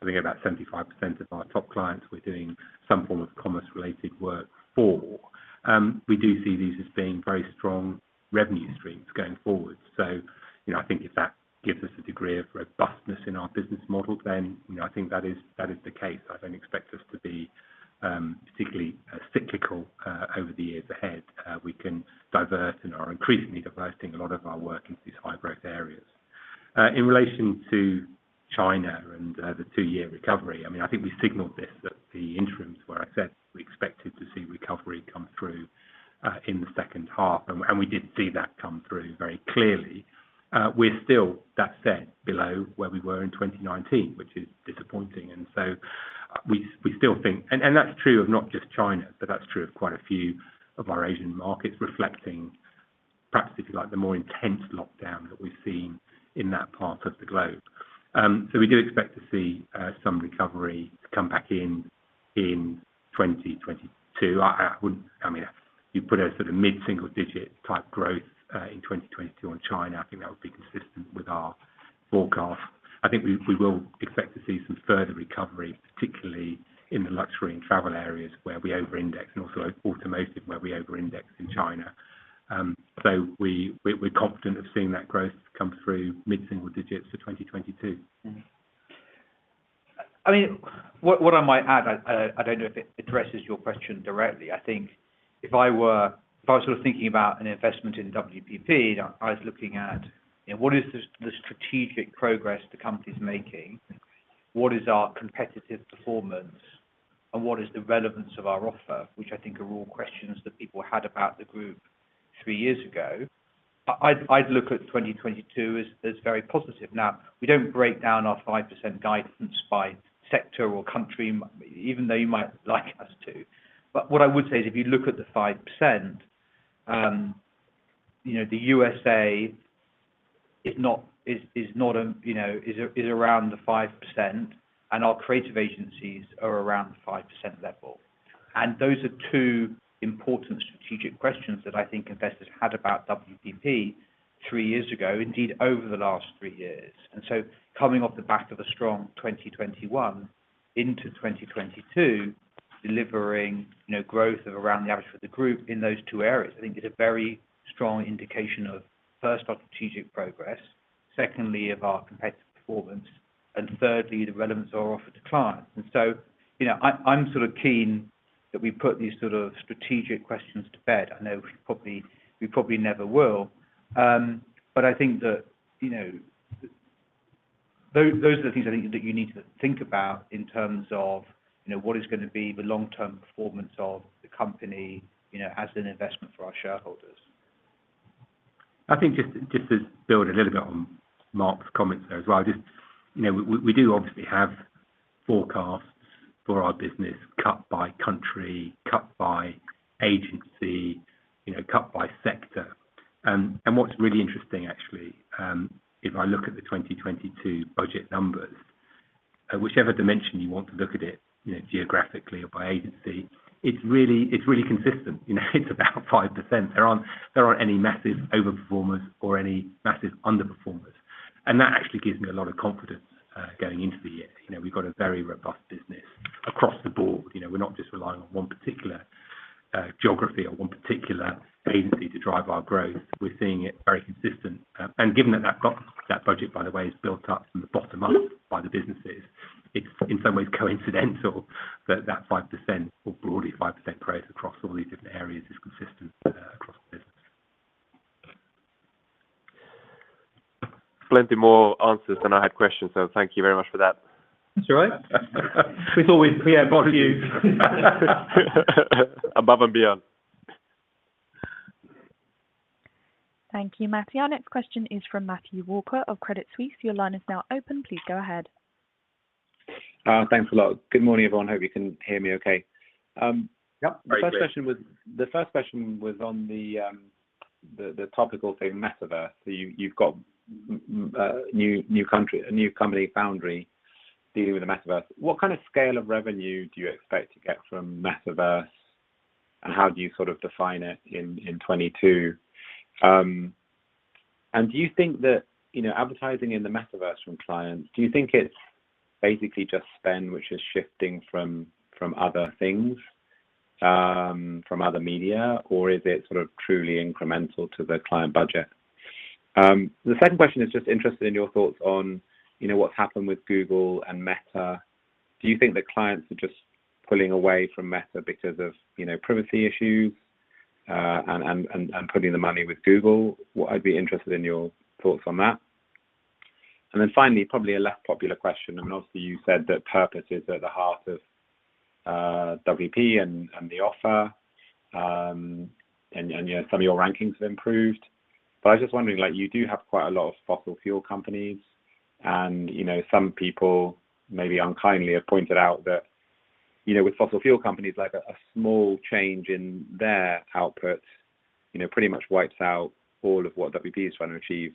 I think about 75% of our top clients we're doing some form of commerce related work for. We do see these as being very strong revenue streams going forward. You know, I think if that gives us a degree of robustness in our business model, then, you know, I think that is the case. I don't expect us to be particularly cyclical over the years ahead. We can divert and are increasingly diverting a lot of our work into these high growth areas. In relation to China and the two-year recovery, I mean, I think we signaled this at the interims where I said we expected to see recovery come through in the second half, and we did see that come through very clearly. We're still, that said, below where we were in 2019, which is disappointing. We still think that's true of not just China, but that's true of quite a few of our Asian markets, reflecting perhaps if you like the more intense lockdown that we've seen in that part of the globe. We do expect to see some recovery come back in 2022. I mean, you put a sort of mid-single-digit type growth in 2022 on China, I think that would be consistent with our forecast. I think we will expect to see some further recovery, particularly in the luxury and travel areas where we over-index, and also automotive where we over-index in China. We're confident of seeing that growth come through mid-single digits for 2022. I mean, what I might add, I don't know if it addresses your question directly. I think if I was sort of thinking about an investment in WPP, I was looking at, you know, what is the strategic progress the company's making? What is our competitive performance, and what is the relevance of our offer? Which I think are all questions that people had about the group three years ago. I'd look at 2022 as very positive. Now, we don't break down our 5% guidance by sector or country, even though you might like us to. What I would say is, if you look at the 5%, you know, the U.S. is around the 5%, and our creative agencies are around the 5% level. Those are two important strategic questions that I think investors had about WPP three years ago, indeed over the last three years. Coming off the back of a strong 2021 into 2022, delivering, you know, growth of around the average for the group in those two areas, I think is a very strong indication of, first, our strategic progress, secondly, of our competitive performance, and thirdly, the relevance of our offer to clients. You know, I'm sort of keen that we put these sort of strategic questions to bed. I know we probably never will. I think that, you know, those are the things I think that you need to think about in terms of, you know, what is gonna be the long-term performance of the company, you know, as an investment for our shareholders. I think just to build a little bit on Mark's comments there as well, just, you know, we do obviously have forecasts for our business cut by country, cut by agency, you know, cut by sector. What's really interesting actually, if I look at the 2022 budget numbers, whichever dimension you want to look at it, you know, geographically or by agency, it's really consistent. You know, it's about 5%. There aren't any massive overperformers or any massive underperformers. That actually gives me a lot of confidence going into the year. You know, we've got a very robust business across the board. You know, we're not just relying on one particular geography or one particular agency to drive our growth. We're seeing it very consistent. Given that budget, by the way, is built up from the bottom up by the businesses, it's in some ways coincidental that 5%, or broadly 5% growth across all these different areas, is consistent across the business. Plenty more answers than I had questions, so thank you very much for that. That's all right. We thought we'd pre-empt both of you. Above and beyond. Thank you, Matthew. Our next question is from Matthew Walker of Credit Suisse. Your line is now open. Please go ahead. Thanks a lot. Good morning, everyone. Hope you can hear me okay. Yep. Very clear. The first question was on the topical thing Metaverse. So you've got a new company foundry dealing with the Metaverse. What kind of scale of revenue do you expect to get from Metaverse, and how do you sort of define it in 2022? And do you think that, you know, advertising in the Metaverse from clients, do you think it's basically just spend which is shifting from other things, from other media, or is it sort of truly incremental to the client budget? The second question is just interested in your thoughts on, you know, what's happened with Google and Meta. Do you think that clients are just pulling away from Meta because of, you know, privacy issues, and putting the money with Google? I'd be interested in your thoughts on that. Finally, probably a less popular question, I mean, obviously you said that purpose is at the heart of WPP and the offer. You know, some of your rankings have improved. I was just wondering, like, you do have quite a lot of fossil fuel companies, and you know, some people, maybe unkindly, have pointed out that you know, with fossil fuel companies, like, a small change in their output, you know, pretty much wipes out all of what WPP is trying to achieve,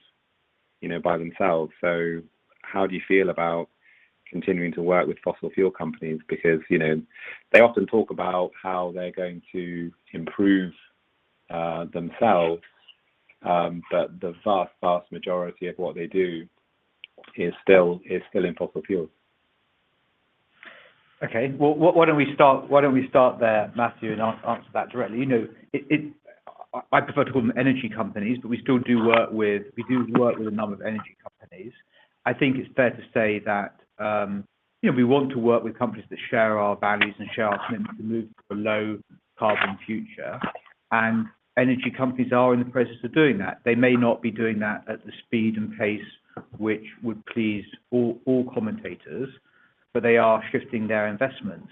you know, by themselves. How do you feel about continuing to work with fossil fuel companies? Because, you know, they often talk about how they're going to improve themselves, but the vast majority of what they do is still in fossil fuels. Okay. Well, why don't we start there, Matthew, and answer that directly? You know, I prefer to call them energy companies, but we still do work with a number of energy companies. I think it's fair to say that, you know, we want to work with companies that share our values and share our commitment to move to a low carbon future. Energy companies are in the process of doing that. They may not be doing that at the speed and pace which would please all commentators, but they are shifting their investments.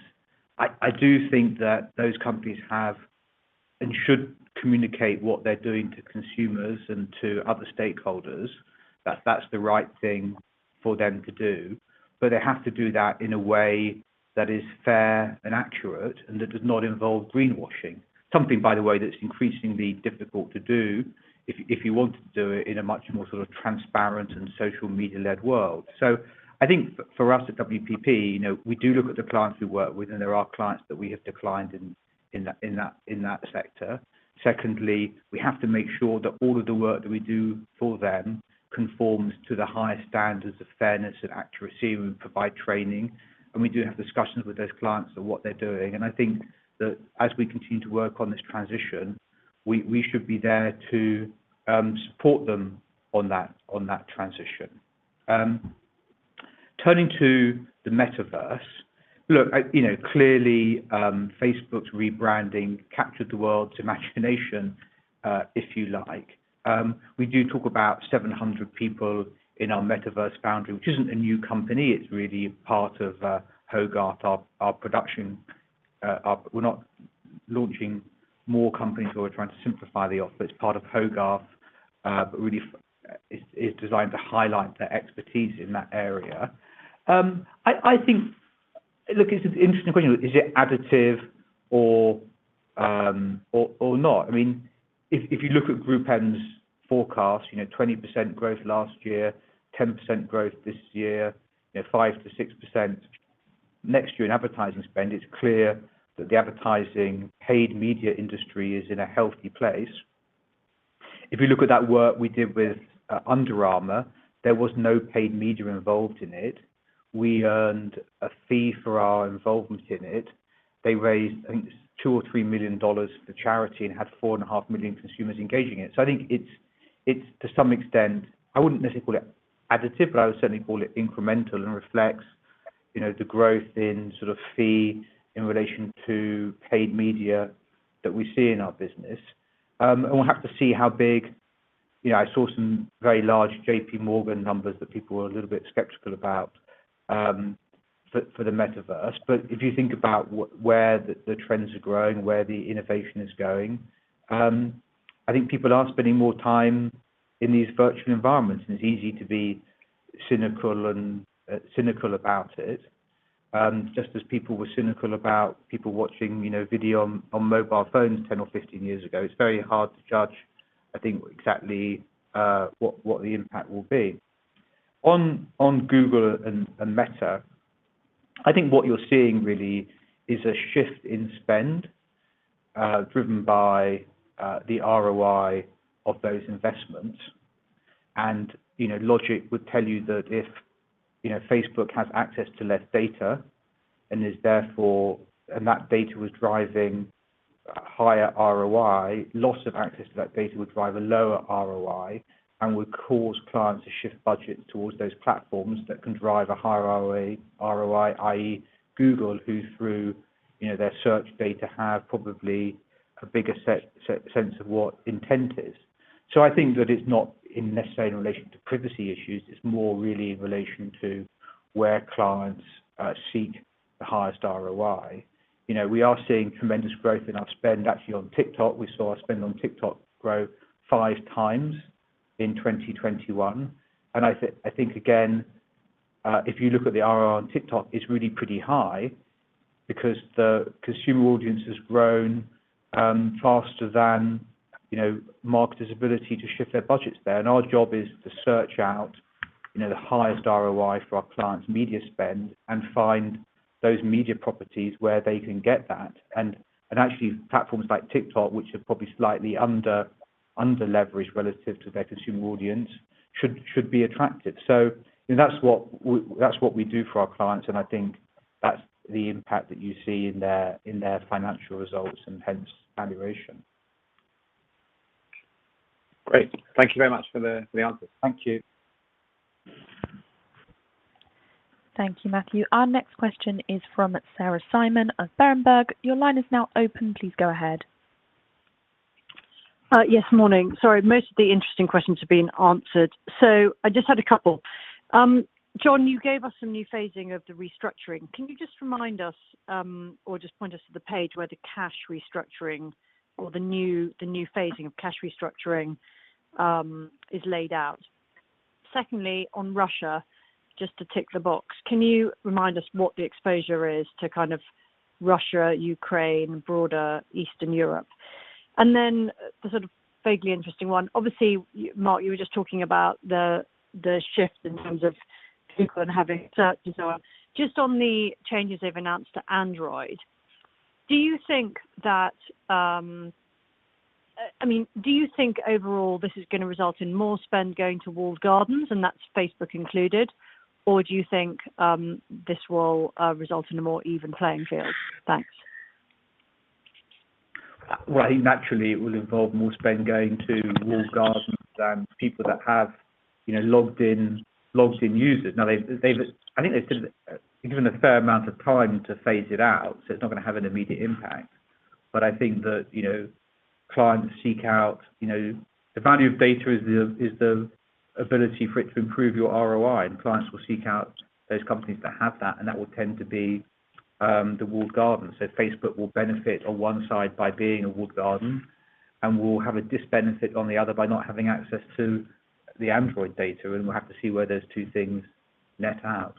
I do think that those companies have and should communicate what they're doing to consumers and to other stakeholders, that that's the right thing for them to do. They have to do that in a way that is fair and accurate, and that does not involve greenwashing. Something, by the way, that's increasingly difficult to do if you want to do it in a much more sort of transparent and social media-led world. I think for us at WPP, you know, we do look at the clients we work with, and there are clients that we have declined in that sector. Secondly, we have to make sure that all of the work that we do for them conforms to the highest standards of fairness and accuracy. We provide training, and we do have discussions with those clients on what they're doing. I think that as we continue to work on this transition, we should be there to support them on that transition. Turning to the Metaverse. Look, you know, clearly, Facebook's rebranding captured the world's imagination, if you like. We do talk about 700 people in our Metaverse Foundry. Which isn't a new company, it's really part of Hogarth, our production. We're not launching more companies, we're trying to simplify the offer. It's part of Hogarth, but really it's designed to highlight their expertise in that area. I think. Look, it's an interesting point. Is it additive or not? I mean, if you look at GroupM's forecast, you know, 20% growth last year, 10% growth this year, you know, 5%-6% next year in advertising spend, it's clear that the advertising paid media industry is in a healthy place. If you look at that work we did with Under Armour, there was no paid media involved in it. We earned a fee for our involvement in it. They raised, I think, $2 or $3 million for charity, and had 4.5 million consumers engaging it. I think it's to some extent. I wouldn't necessarily call it additive, but I would certainly call it incremental, and reflects you know the growth in sort of fee in relation to paid media that we see in our business. We'll have to see how big. You know, I saw some very large JP Morgan numbers that people were a little bit skeptical about for the Metaverse. If you think about where the trends are growing, where the innovation is going, I think people are spending more time in these virtual environments, and it's easy to be cynical about it. Just as people were cynical about people watching, you know, video on mobile phones 10 or 15 years ago. It's very hard to judge, I think, exactly what the impact will be. On Google and Meta, I think what you're seeing really is a shift in spend driven by the ROI of those investments. You know, logic would tell you that if, you know, Facebook has access to less data, and is therefore... That data was driving higher ROI. Loss of access to that data would drive a lower ROI and would cause clients to shift budget towards those platforms that can drive a higher ROI, i.e., Google, who through their search data have probably a bigger sense of what intent is. I think that it's not necessarily in relation to privacy issues. It's more really in relation to where clients seek the highest ROI. We are seeing tremendous growth in our spend. Actually on TikTok, we saw our spend on TikTok grow five times in 2021. I think again, if you look at the ROI on TikTok, it's really pretty high because the consumer audience has grown faster than marketers' ability to shift their budgets there. Our job is to search out, you know, the highest ROI for our clients' media spend, and find those media properties where they can get that. Actually platforms like TikTok, which are probably slightly under-leveraged relative to their consumer audience, should be attractive. You know, that's what we do for our clients, and I think that's the impact that you see in their financial results, and hence valuation. Great. Thank you very much for the answers. Thank you. Thank you, Matthew. Our next question is from Sarah Simon of Berenberg. Your line is now open. Please go ahead. Yes, morning. Sorry, most of the interesting questions have been answered. I just had a couple. John, you gave us some new phasing of the restructuring. Can you just remind us, or just point us to the page where the cash restructuring or the new phasing of cash restructuring is laid out? Secondly, on Russia, just to tick the box, can you remind us what the exposure is to kind of Russia, Ukraine, broader Eastern Europe? Then the sort of vaguely interesting one. Obviously, Mark, you were just talking about the shift in terms of people and having searches and so on. Just on the changes they've announced to Android, do you think that... I mean, do you think overall this is gonna result in more spend going to walled gardens, and that's Facebook included, or do you think this will result in a more even playing field? Thanks. Well, I think naturally it will involve more spend going to walled gardens than people that have, you know, logged in users. Now, I think they've sort of given a fair amount of time to phase it out, so it's not gonna have an immediate impact. I think that, you know, clients seek out, you know. The value of data is the ability for it to improve your ROI, and clients will seek out those companies that have that, and that will tend to be the walled garden. Facebook will benefit on one side by being a walled garden, and will have a disbenefit on the other by not having access to the Android data, and we'll have to see where those two things net out.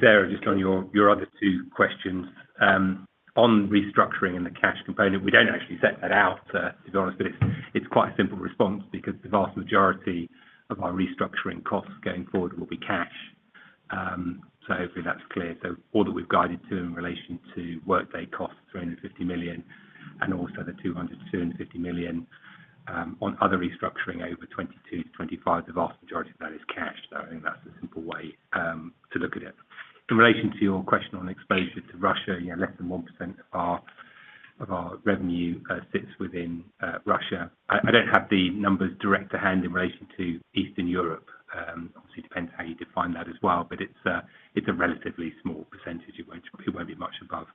Sarah, just on your other two questions, on restructuring and the cash component, we don't actually set that out to be honest, but it's quite a simple response because the vast majority of our restructuring costs going forward will be cash. Hopefully that's clear. All that we've guided to in relation to Workday costs, 350 million, and also the 200-250 million on other restructuring over 2022-2025, the vast majority of that is cash. I think that's the simple way to look at it. In relation to your question on exposure to Russia, you know, less than 1% of our revenue sits within Russia. I don't have the numbers direct to hand in relation to Eastern Europe. Obviously depends how you define that as well, but it's a relatively small percentage. It won't be much above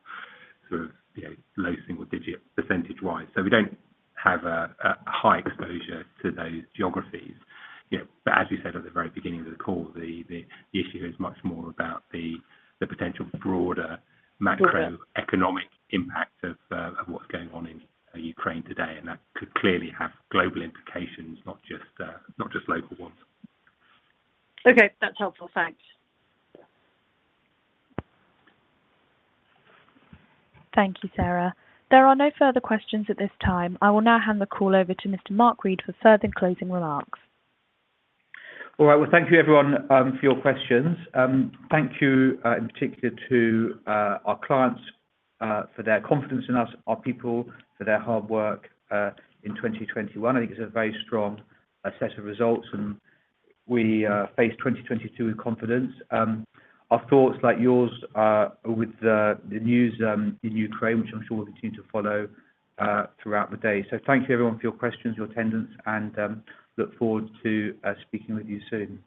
sort of, you know, low single-digit percentage-wise. We don't have a high exposure to those geographies. You know, as we said at the very beginning of the call, the issue here is much more about the potential broader macroeconomic impact of what's going on in Ukraine today, and that could clearly have global implications, not just local ones. Okay. That's helpful. Thanks. Thank you, Sarah. There are no further questions at this time. I will now hand the call over to Mr. Mark Read for further closing remarks. All right. Well, thank you everyone for your questions. Thank you, in particular to our clients for their confidence in us, our people for their hard work in 2021. I think it's a very strong set of results, and we face 2022 with confidence. Our thoughts, like yours, are with the news in Ukraine, which I'm sure we'll continue to follow throughout the day. Thank you everyone for your questions, your attendance, and I look forward to speaking with you soon.